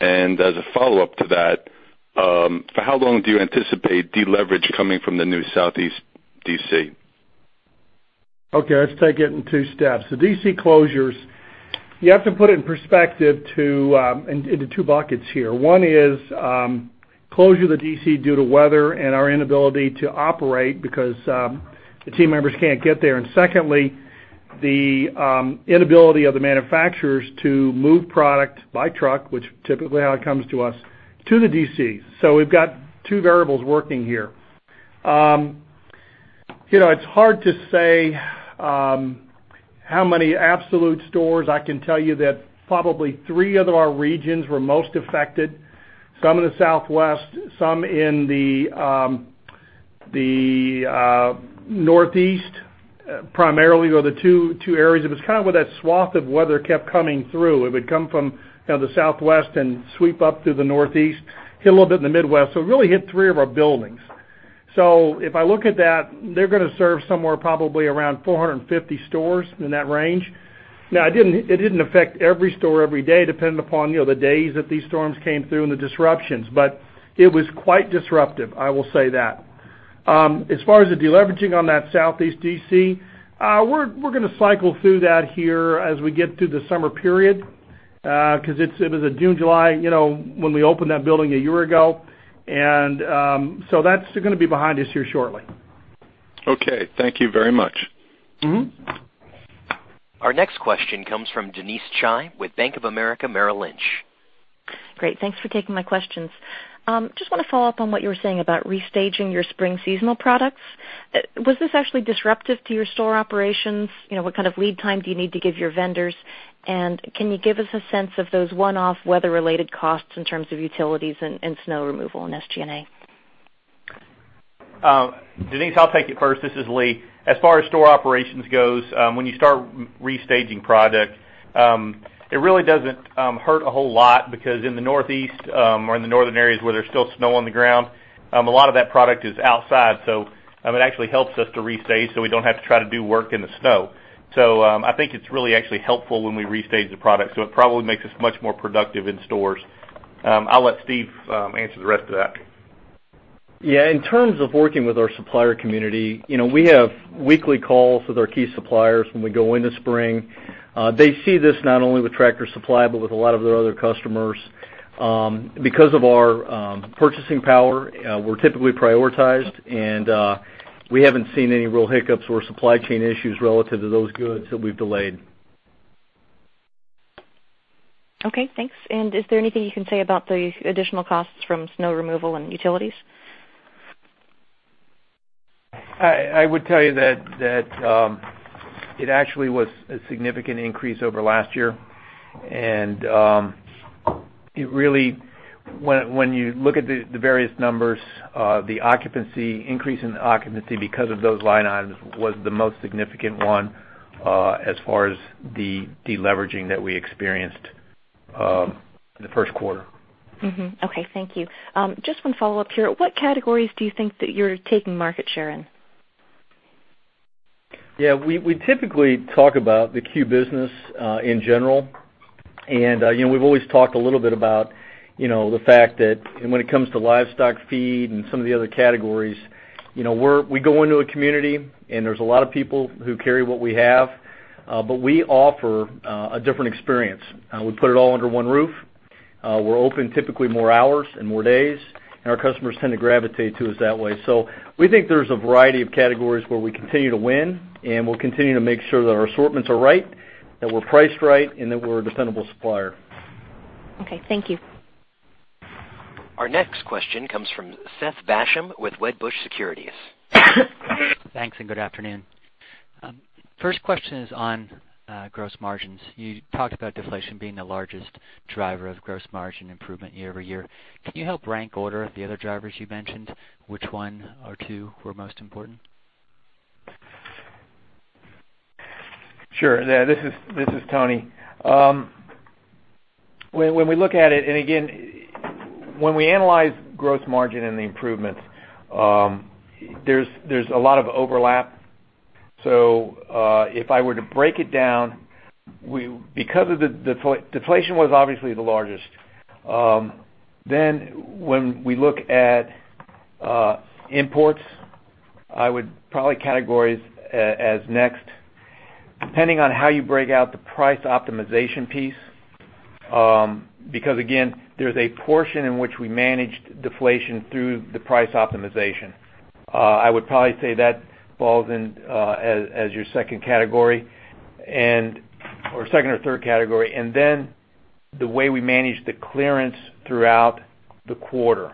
As a follow-up to that, for how long do you anticipate deleverage coming from the new Southeast DC? Okay, let's take it in two steps. The DC closures, you have to put it in perspective into two buckets here. One is, closure of the DC due to weather and our inability to operate because the team members can't get there. Secondly, the inability of the manufacturers to move product by truck, which typically how it comes to us, to the DC. We've got two variables working here. It's hard to say how many absolute stores. I can tell you that probably three of our regions were most affected. Some in the Southwest, some in the Northeast, primarily, were the two areas. It was where that swath of weather kept coming through. It would come from the Southwest and sweep up through the Northeast, hit a little bit in the Midwest. It really hit three of our buildings. If I look at that, they're going to serve somewhere probably around 450 stores, in that range. Now, it didn't affect every store every day, depending upon the days that these storms came through and the disruptions, but it was quite disruptive, I will say that. As far as the deleveraging on that Southeast DC, we're going to cycle through that here as we get through the summer period, because it was in June, July, when we opened that building a year ago. That's going to be behind us here shortly. Okay. Thank you very much. Our next question comes from Denise Chai with Bank of America Merrill Lynch. Great. Thanks for taking my questions. Just want to follow up on what you were saying about restaging your spring seasonal products. Was this actually disruptive to your store operations? What kind of lead time do you need to give your vendors? Can you give us a sense of those one-off weather-related costs in terms of utilities and snow removal and SG&A? Denise, I'll take it first. This is Lee. As far as store operations goes, when you start restaging product, it really doesn't hurt a whole lot because in the Northeast or in the northern areas where there's still snow on the ground, a lot of that product is outside. It actually helps us to restage, so we don't have to try to do work in the snow. I think it's really actually helpful when we restage the product. It probably makes us much more productive in stores. I'll let Steve answer the rest of that. Yeah. In terms of working with our supplier community, we have weekly calls with our key suppliers when we go into spring. They see this not only with Tractor Supply, but with a lot of their other customers. Because of our purchasing power, we're typically prioritized, and we haven't seen any real hiccups or supply chain issues relative to those goods that we've delayed. Okay, thanks. Is there anything you can say about the additional costs from snow removal and utilities? I would tell you that it actually was a significant increase over last year, and when you look at the various numbers, the increase in the occupancy because of those line items was the most significant one as far as the deleveraging that we experienced in the first quarter. Okay, thank you. Just one follow-up here. What categories do you think that you're taking market share in? We typically talk about the C.U.E. business in general. We've always talked a little bit about the fact that when it comes to livestock feed and some of the other categories, we go into a community and there's a lot of people who carry what we have, but we offer a different experience. We put it all under one roof. We're open typically more hours and more days, and our customers tend to gravitate to us that way. We think there's a variety of categories where we continue to win, and we'll continue to make sure that our assortments are right, that we're priced right, and that we're a dependable supplier. Okay. Thank you. Our next question comes from Seth Basham with Wedbush Securities. Thanks and good afternoon. First question is on gross margins. You talked about deflation being the largest driver of gross margin improvement year-over-year. Can you help rank order the other drivers you mentioned, which one or two were most important? Sure. This is Tony. When we look at it, again, when we analyze gross margin and the improvements, there's a lot of overlap. If I were to break it down, deflation was obviously the largest. When we look at imports, I would probably categorize as next. Depending on how you break out the price optimization piece, because again, there's a portion in which we managed deflation through the price optimization. I would probably say that falls in as your second category, or second or third category. The way we managed the clearance throughout the quarter.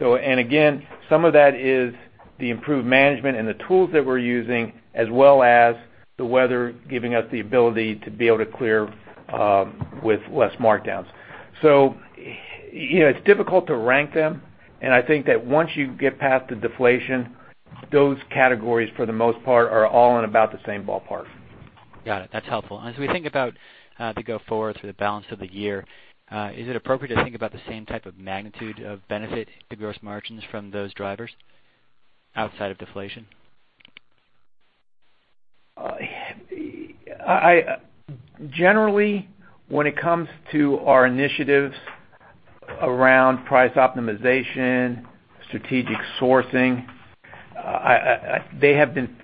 Again, some of that is the improved management and the tools that we're using, as well as the weather giving us the ability to be able to clear with less markdowns. It's difficult to rank them, and I think that once you get past the deflation, those categories, for the most part, are all in about the same ballpark. Got it. That's helpful. As we think about the go forward for the balance of the year, is it appropriate to think about the same type of magnitude of benefit to gross margins from those drivers outside of deflation? Generally, when it comes to our initiatives around price optimization, strategic sourcing, they have been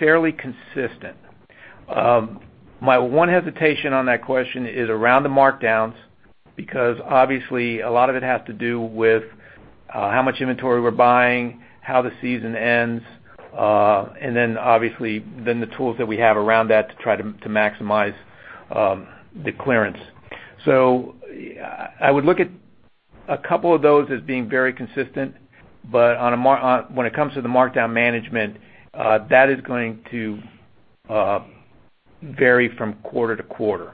fairly consistent. My one hesitation on that question is around the markdowns because obviously a lot of it has to do with how much inventory we're buying, how the season ends, and then obviously, then the tools that we have around that to try to maximize the clearance. I would look at a couple of those as being very consistent, but when it comes to the markdown management, that is going to vary from quarter to quarter.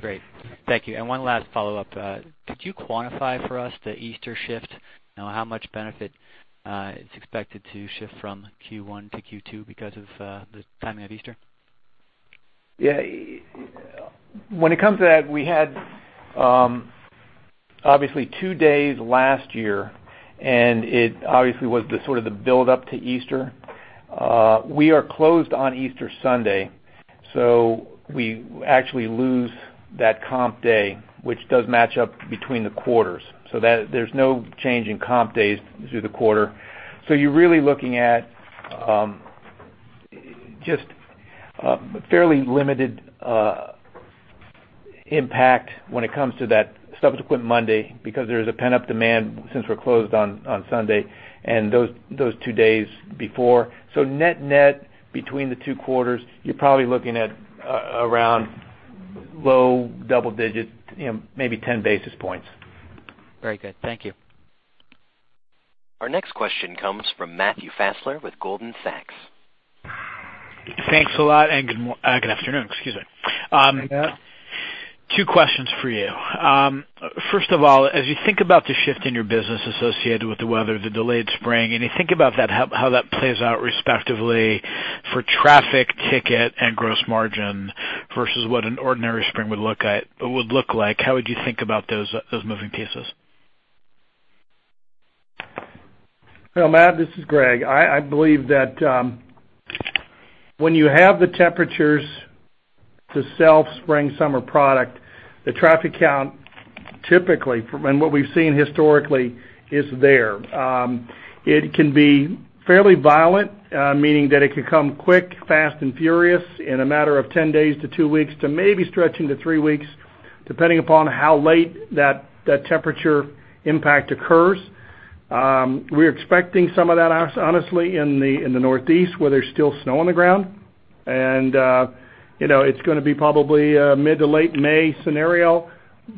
Great. Thank you. One last follow-up. Could you quantify for us the Easter shift? How much benefit is expected to shift from Q1 to Q2 because of the timing of Easter? Yeah. When it comes to that, we had Obviously, two days last year, it obviously was the build-up to Easter. We are closed on Easter Sunday, so we actually lose that comp day, which does match up between the quarters, so there's no change in comp days through the quarter. You're really looking at just fairly limited impact when it comes to that subsequent Monday because there is a pent-up demand since we're closed on Sunday and those two days before. Net between the two quarters, you're probably looking at around low double digits, maybe 10 basis points. Very good. Thank you. Our next question comes from Matthew Fassler with Goldman Sachs. Thanks a lot. Good afternoon. Excuse me. Yeah. Two questions for you. First of all, as you think about the shift in your business associated with the weather, the delayed spring, and you think about how that plays out respectively for traffic, ticket, and gross margin versus what an ordinary spring would look like, how would you think about those moving pieces? Well, Matt, this is Greg. I believe that when you have the temperatures to sell spring-summer product, the traffic count typically, from what we've seen historically, is there. It can be fairly violent, meaning that it could come quick, fast, and furious in a matter of 10 days to two weeks to maybe stretching to three weeks, depending upon how late that temperature impact occurs. We're expecting some of that, honestly, in the Northeast, where there's still snow on the ground. It's going to be probably a mid to late May scenario.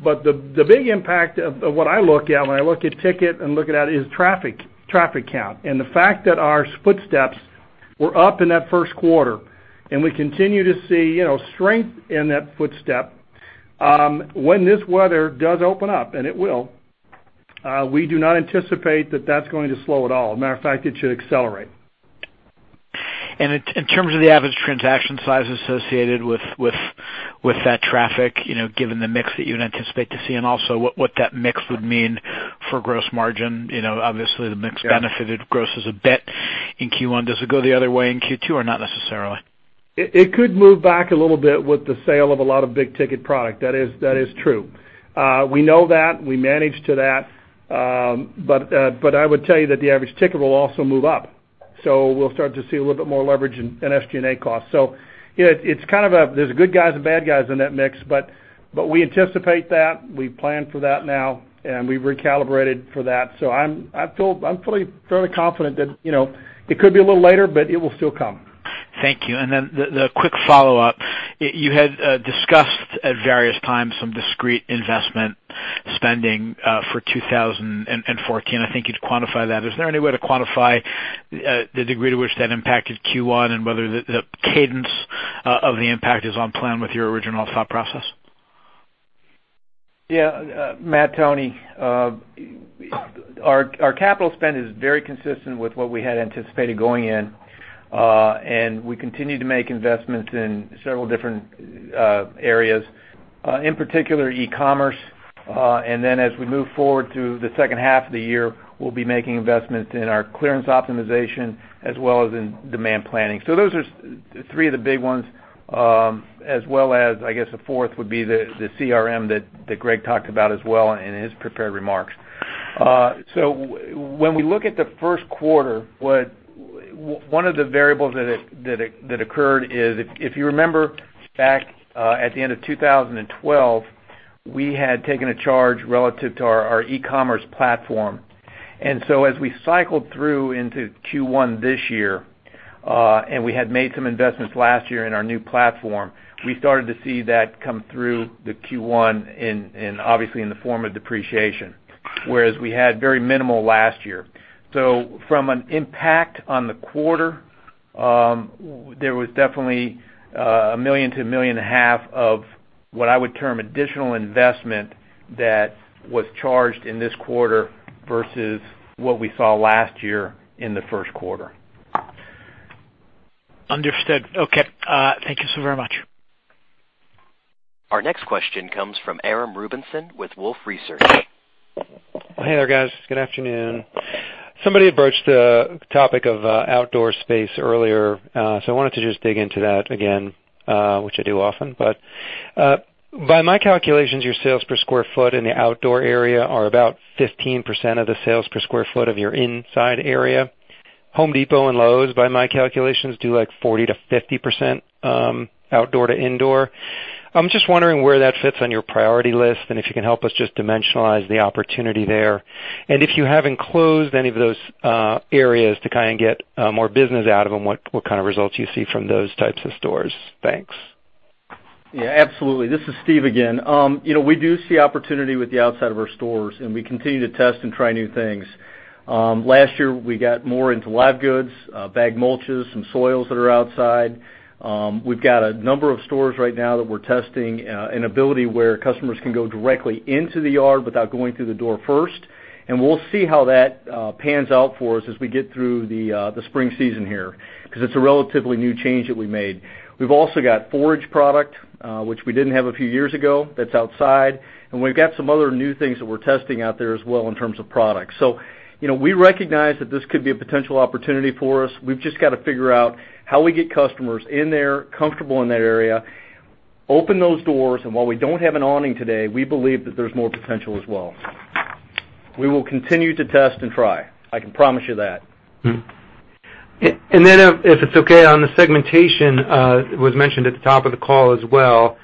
The big impact of what I look at when I look at ticket and looking at it, is traffic count. The fact that our footsteps were up in that first quarter, and we continue to see strength in that footstep. When this weather does open up, and it will, we do not anticipate that that's going to slow at all. Matter of fact, it should accelerate. In terms of the average transaction size associated with that traffic, given the mix that you would anticipate to see, and also what that mix would mean for gross margin. Obviously, the mix benefited gross a bit in Q1. Does it go the other way in Q2 or not necessarily? It could move back a little bit with the sale of a lot of big-ticket product. That is true. We know that. We manage to that. I would tell you that the average ticket will also move up. We'll start to see a little bit more leverage in SG&A costs. There's good guys and bad guys in that mix, we anticipate that, we plan for that now, and we recalibrated for that. I'm fairly confident that it could be a little later, but it will still come. Thank you. Then the quick follow-up. You had discussed at various times some discrete investment spending for 2014. I think you'd quantify that. Is there any way to quantify the degree to which that impacted Q1 and whether the cadence of the impact is on plan with your original thought process? Matt, Tony, our capital spend is very consistent with what we had anticipated going in, we continue to make investments in several different areas. In particular, e-commerce. Then as we move forward to the second half of the year, we'll be making investments in our clearance optimization as well as in demand planning. Those are three of the big ones, as well as, I guess, a fourth would be the CRM that Greg talked about as well in his prepared remarks. When we look at the first quarter, one of the variables that occurred is, if you remember back at the end of 2012, we had taken a charge relative to our e-commerce platform. As we cycled through into Q1 this year, and we had made some investments last year in our new platform, we started to see that come through the Q1 obviously in the form of depreciation, whereas we had very minimal last year. From an impact on the quarter, there was definitely $1 million-$1.5 million of what I would term additional investment that was charged in this quarter versus what we saw last year in the first quarter. Understood. Okay. Thank you so very much. Our next question comes from Aram Rubinson with Wolfe Research. Hey there, guys. Good afternoon. Somebody approached the topic of outdoor space earlier. I wanted to just dig into that again, which I do often. By my calculations, your sales per square foot in the outdoor area are about 15% of the sales per square foot of your inside area. Home Depot and Lowe's, by my calculations, do like 40%-50% outdoor to indoor. I'm just wondering where that fits on your priority list and if you can help us just dimensionalize the opportunity there. If you have enclosed any of those areas to kind of get more business out of them, what kind of results you see from those types of stores. Thanks. Yeah, absolutely. This is Steve again. We do see opportunity with the outside of our stores. We continue to test and try new things. Last year, we got more into live goods, bagged mulches, some soils that are outside. We've got a number of stores right now that we're testing an ability where customers can go directly into the yard without going through the door first. We'll see how that pans out for us as we get through the spring season here, because it's a relatively new change that we made. We've also got forage product, which we didn't have a few years ago. That's outside. We've got some other new things that we're testing out there as well in terms of products. We recognize that this could be a potential opportunity for us. We've just got to figure out how we get customers in there, comfortable in that area, open those doors. While we don't have an awning today, we believe that there's more potential as well. We will continue to test and try. I can promise you that. If it's okay, on the segmentation, it was mentioned at the top of the call as well.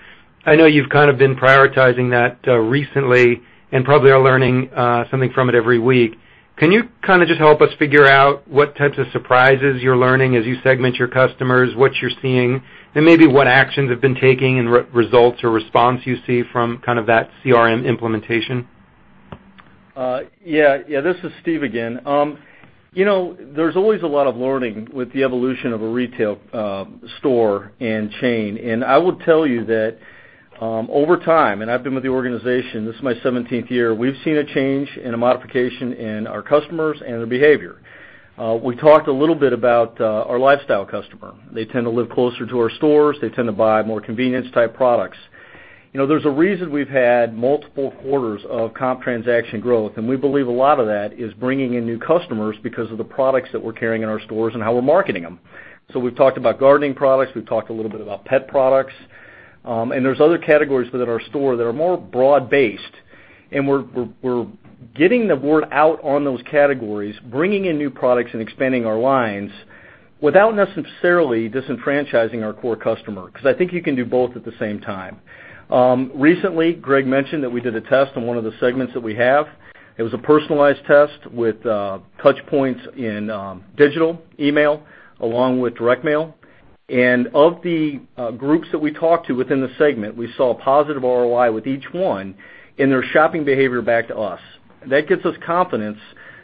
I know you've kind of been prioritizing that recently and probably are learning something from it every week. Can you kind of just help us figure out what types of surprises you're learning as you segment your customers, what you're seeing, and maybe what actions you've been taking and results or response you see from that CRM implementation? Yeah. This is Steve again. There's always a lot of learning with the evolution of a retail store and chain. I will tell you that over time, I've been with the organization, this is my 17th year, we've seen a change and a modification in our customers and their behavior. We talked a little bit about our lifestyle customer. They tend to live closer to our stores. They tend to buy more convenience-type products. There's a reason we've had multiple quarters of comp transaction growth. We believe a lot of that is bringing in new customers because of the products that we're carrying in our stores and how we're marketing them. We've talked about gardening products, we've talked a little bit about pet products. There's other categories within our store that are more broad-based, and we're getting the word out on those categories, bringing in new products and expanding our lines without necessarily disenfranchising our core customer, because I think you can do both at the same time. Recently, Greg mentioned that we did a test on one of the segments that we have. It was a personalized test with touch points in digital email, along with direct mail. Of the groups that we talked to within the segment, we saw a positive ROI with each one in their shopping behavior back to us. That gives us confidence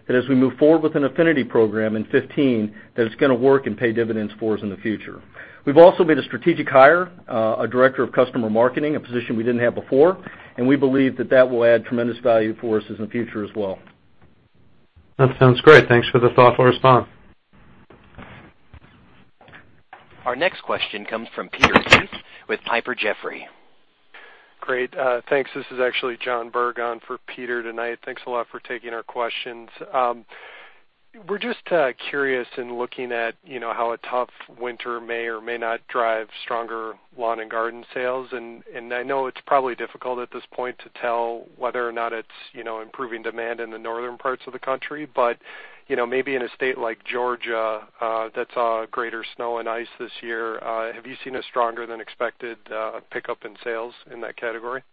that as we move forward with an affinity program in 2015, that it's going to work and pay dividends for us in the future. We've also made a strategic hire, a director of customer marketing, a position we didn't have before, and we believe that that will add tremendous value for us in the future as well. That sounds great. Thanks for the thoughtful response. Our next question comes from Peter Keith with Piper Jaffray. Great. Thanks. This is actually John Berg on for Peter tonight. Thanks a lot for taking our questions. We're just curious in looking at how a tough winter may or may not drive stronger lawn and garden sales. I know it's probably difficult at this point to tell whether or not it's improving demand in the northern parts of the country. Maybe in a state like Georgia that saw greater snow and ice this year, have you seen a stronger than expected pickup in sales in that category?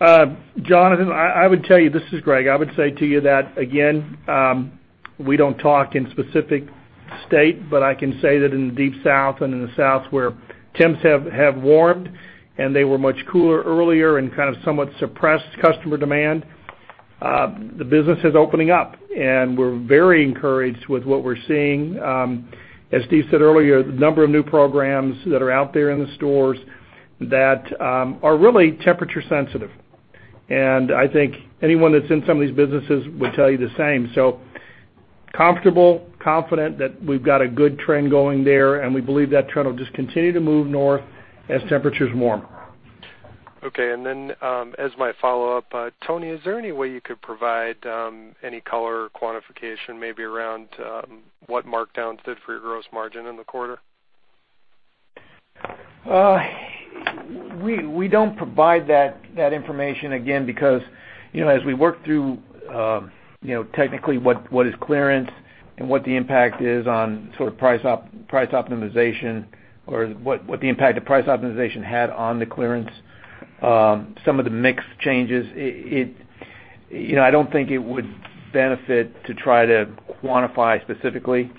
Jon, I would tell you, this is Greg. I would say to you that, again, we don't talk in specific state, but I can say that in the Deep South and in the South where temps have warmed and they were much cooler earlier and kind of somewhat suppressed customer demand, the business is opening up. We're very encouraged with what we're seeing. As Steve said earlier, the number of new programs that are out there in the stores that are really temperature sensitive. I think anyone that's in some of these businesses would tell you the same. Comfortable, confident that we've got a good trend going there, and we believe that trend will just continue to move north as temperatures warm. Okay. As my follow-up, Tony, is there any way you could provide any color or quantification maybe around what markdowns did for your gross margin in the quarter? We don't provide that information, again, because as we work through technically what is clearance and what the impact is on sort of price optimization or what the impact of price optimization had on the clearance, some of the mix changes. I don't think it would benefit to try to quantify specifically.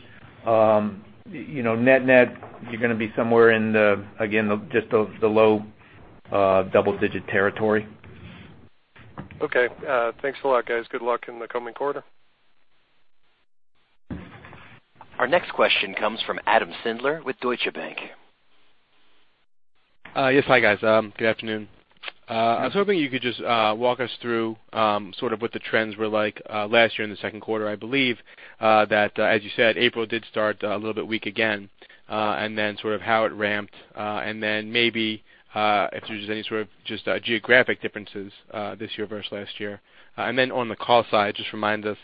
Net net, you're going to be somewhere in the, again, just the low double-digit territory. Okay. Thanks a lot, guys. Good luck in the coming quarter. Our next question comes from Adam Sindler with Deutsche Bank. Yes. Hi, guys. Good afternoon. I was hoping you could just walk us through sort of what the trends were like last year in the second quarter. I believe that, as you said, April did start a little bit weak again, then sort of how it ramped, then maybe if there's any sort of just geographic differences this year versus last year. On the call side, just remind us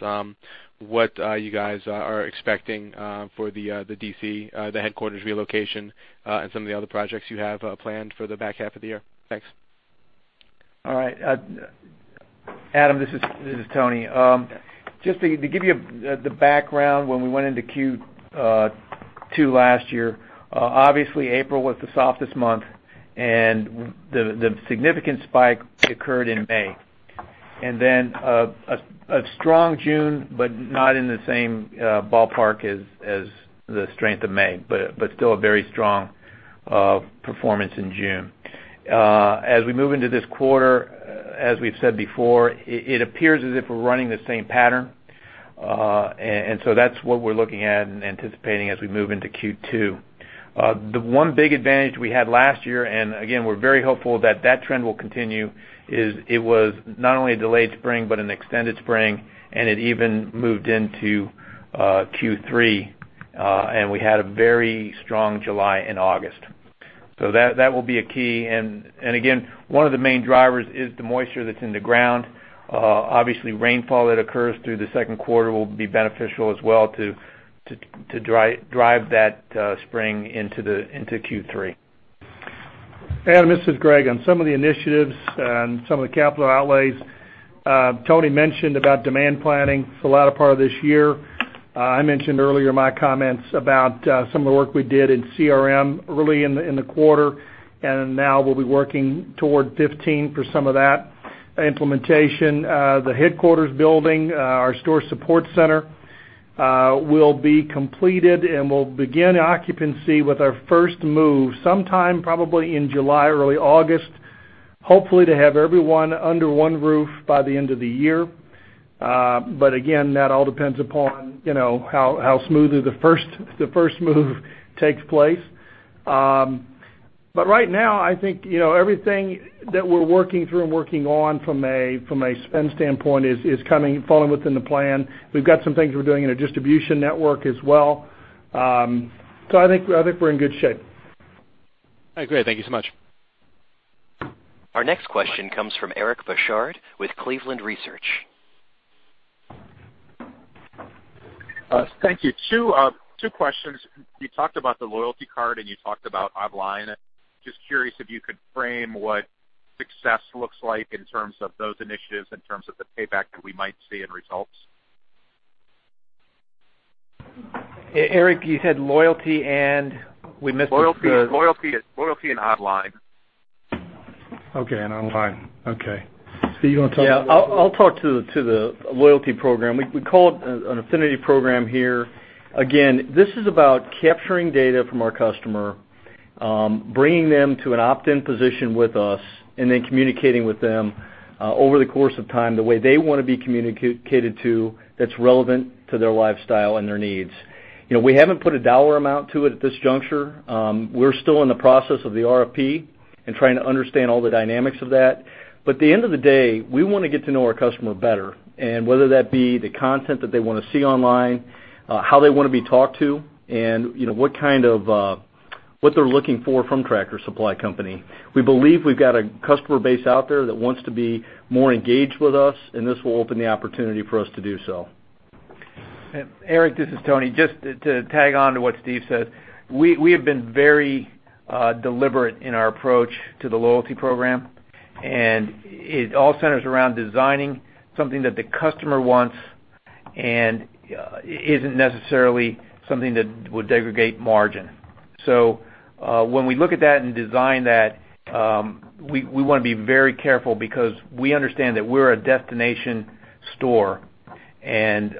what you guys are expecting for the D.C., the headquarters relocation and some of the other projects you have planned for the back half of the year. Thanks. All right. Adam, this is Tony. Just to give you the background when we went into Q2 last year, obviously April was the softest month and the significant spike occurred in May. Then a strong June, but not in the same ballpark as the strength of May, but still a very strong performance in June. As we move into this quarter, as we've said before, it appears as if we're running the same pattern. That's what we're looking at and anticipating as we move into Q2. The one big advantage we had last year, and again, we're very hopeful that that trend will continue, is it was not only a delayed spring, but an extended spring, and it even moved into Q3. We had a very strong July and August. That will be a key. Again, one of the main drivers is the moisture that's in the ground. Obviously, rainfall that occurs through the second quarter will be beneficial as well to drive that spring into Q3. Adam, this is Greg. On some of the initiatives and some of the capital outlays, Tony mentioned about demand planning for the latter part of this year. I mentioned earlier in my comments about some of the work we did in CRM early in the quarter, now we'll be working toward 15 for some of that implementation. The headquarters building, our store support center, will be completed, and we'll begin occupancy with our first move sometime probably in July, early August, hopefully to have everyone under one roof by the end of the year. Again, that all depends upon how smoothly the first move takes place. Right now, I think, everything that we're working through and working on from a spend standpoint is falling within the plan. We've got some things we're doing in a distribution network as well. I think we're in good shape. All right, great. Thank you so much. Our next question comes from Eric Bouchard with Cleveland Research. Thank you. Two questions. You talked about the loyalty card, and you talked about online. Just curious if you could frame what success looks like in terms of those initiatives, in terms of the payback that we might see in results. Eric, you said loyalty and we missed the- Loyalty and online. Okay, and online. Okay. Steve, you want to talk about that? I'll talk to the loyalty program. We call it an affinity program here. Again, this is about capturing data from our customer, bringing them to an opt-in position with us, and then communicating with them, over the course of time, the way they want to be communicated to that's relevant to their lifestyle and their needs. We haven't put a dollar amount to it at this juncture. We're still in the process of the RFP and trying to understand all the dynamics of that. At the end of the day, we want to get to know our customer better, and whether that be the content that they want to see online, how they want to be talked to, and what they're looking for from Tractor Supply Company. We believe we've got a customer base out there that wants to be more engaged with us, and this will open the opportunity for us to do so. Eric, this is Tony. Just to tag on to what Steve said, we have been very deliberate in our approach to the loyalty program, and it all centers around designing something that the customer wants and isn't necessarily something that would aggregate margin. When we look at that and design that, we want to be very careful because we understand that we're a destination store, and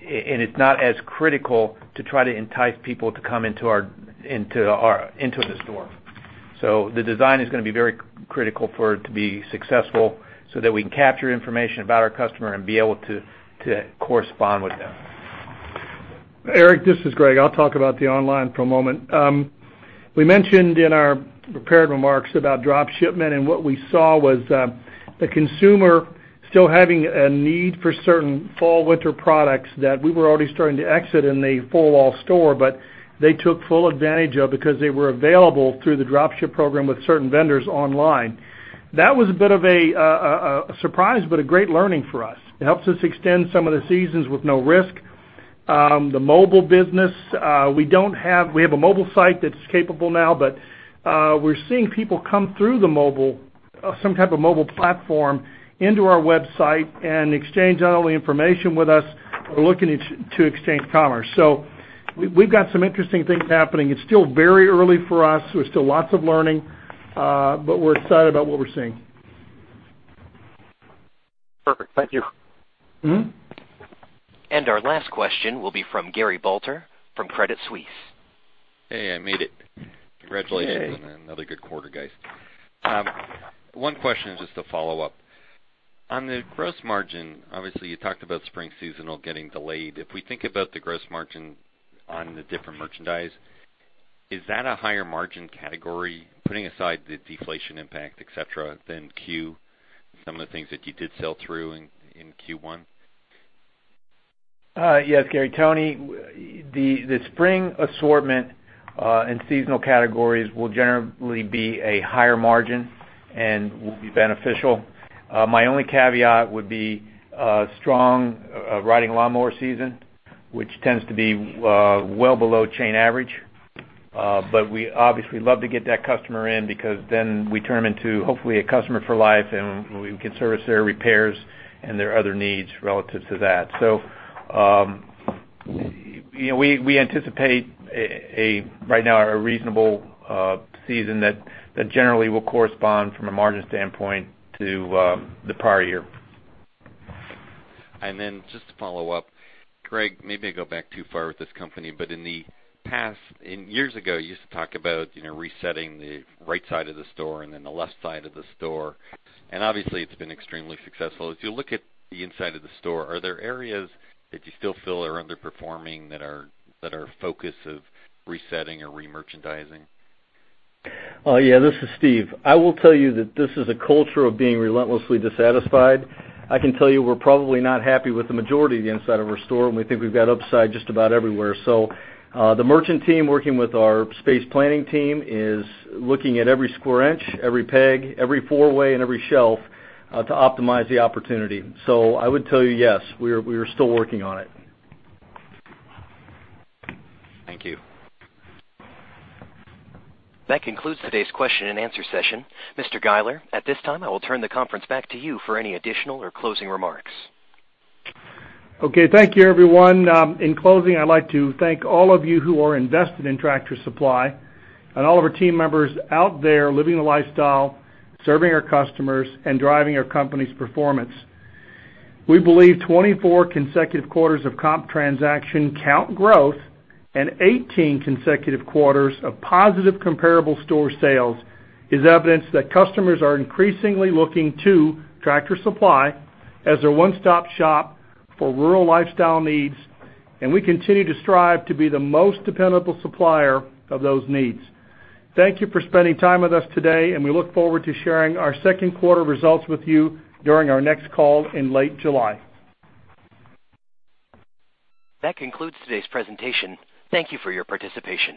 it's not as critical to try to entice people to come into the store. The design is going to be very critical for it to be successful so that we can capture information about our customer and be able to correspond with them. Eric, this is Greg. I'll talk about the online for a moment. We mentioned in our prepared remarks about drop shipment, and what we saw was the consumer still having a need for certain fall/winter products that we were already starting to exit in the 4-wall store, but they took full advantage of because they were available through the drop ship program with certain vendors online. That was a bit of a surprise, but a great learning for us. It helps us extend some of the seasons with no risk. The mobile business, we have a mobile site that's capable now, but we're seeing people come through some type of mobile platform into our website and exchange not only information with us, but looking to exchange commerce. We've got some interesting things happening. It's still very early for us. There's still lots of learning. We're excited about what we're seeing. Perfect. Thank you. Our last question will be from Gary Balter from Credit Suisse. Hey, I made it. Yay. Congratulations on another good quarter, guys. One question, just to follow up. On the gross margin, obviously, you talked about spring seasonal getting delayed. If we think about the gross margin on the different merchandise, is that a higher margin category, putting aside the deflation impact, et cetera, than some of the things that you did sell through in Q1? Yes, Gary. Tony, the spring assortment, and seasonal categories will generally be a higher margin and will be beneficial. My only caveat would be a strong riding lawnmower season, which tends to be well below chain average. We obviously love to get that customer in because then we turn them into, hopefully, a customer for life, and we can service their repairs and their other needs relative to that. We anticipate right now a reasonable season that generally will correspond from a margin standpoint to the prior year. Just to follow up, Greg, maybe I go back too far with this company, in the past, years ago, you used to talk about resetting the right side of the store and then the left side of the store. Obviously, it's been extremely successful. As you look at the inside of the store, are there areas that you still feel are underperforming that are focus of resetting or remerchandising? This is Steve. I will tell you that this is a culture of being relentlessly dissatisfied. I can tell you we're probably not happy with the majority of the inside of our store, we think we've got upside just about everywhere. The merchant team working with our space planning team is looking at every square inch, every peg, every four-way, and every shelf to optimize the opportunity. I would tell you, yes, we are still working on it. Thank you. That concludes today's question and answer session. Mr. Guiler, at this time, I will turn the conference back to you for any additional or closing remarks. Okay. Thank you, everyone. In closing, I'd like to thank all of you who are invested in Tractor Supply and all of our team members out there living the lifestyle, serving our customers, and driving our company's performance. We believe 24 consecutive quarters of comp transaction count growth and 18 consecutive quarters of positive comparable store sales is evidence that customers are increasingly looking to Tractor Supply as their one-stop-shop for rural lifestyle needs, and we continue to strive to be the most dependable supplier of those needs. Thank you for spending time with us today, and we look forward to sharing our second quarter results with you during our next call in late July. That concludes today's presentation. Thank you for your participation.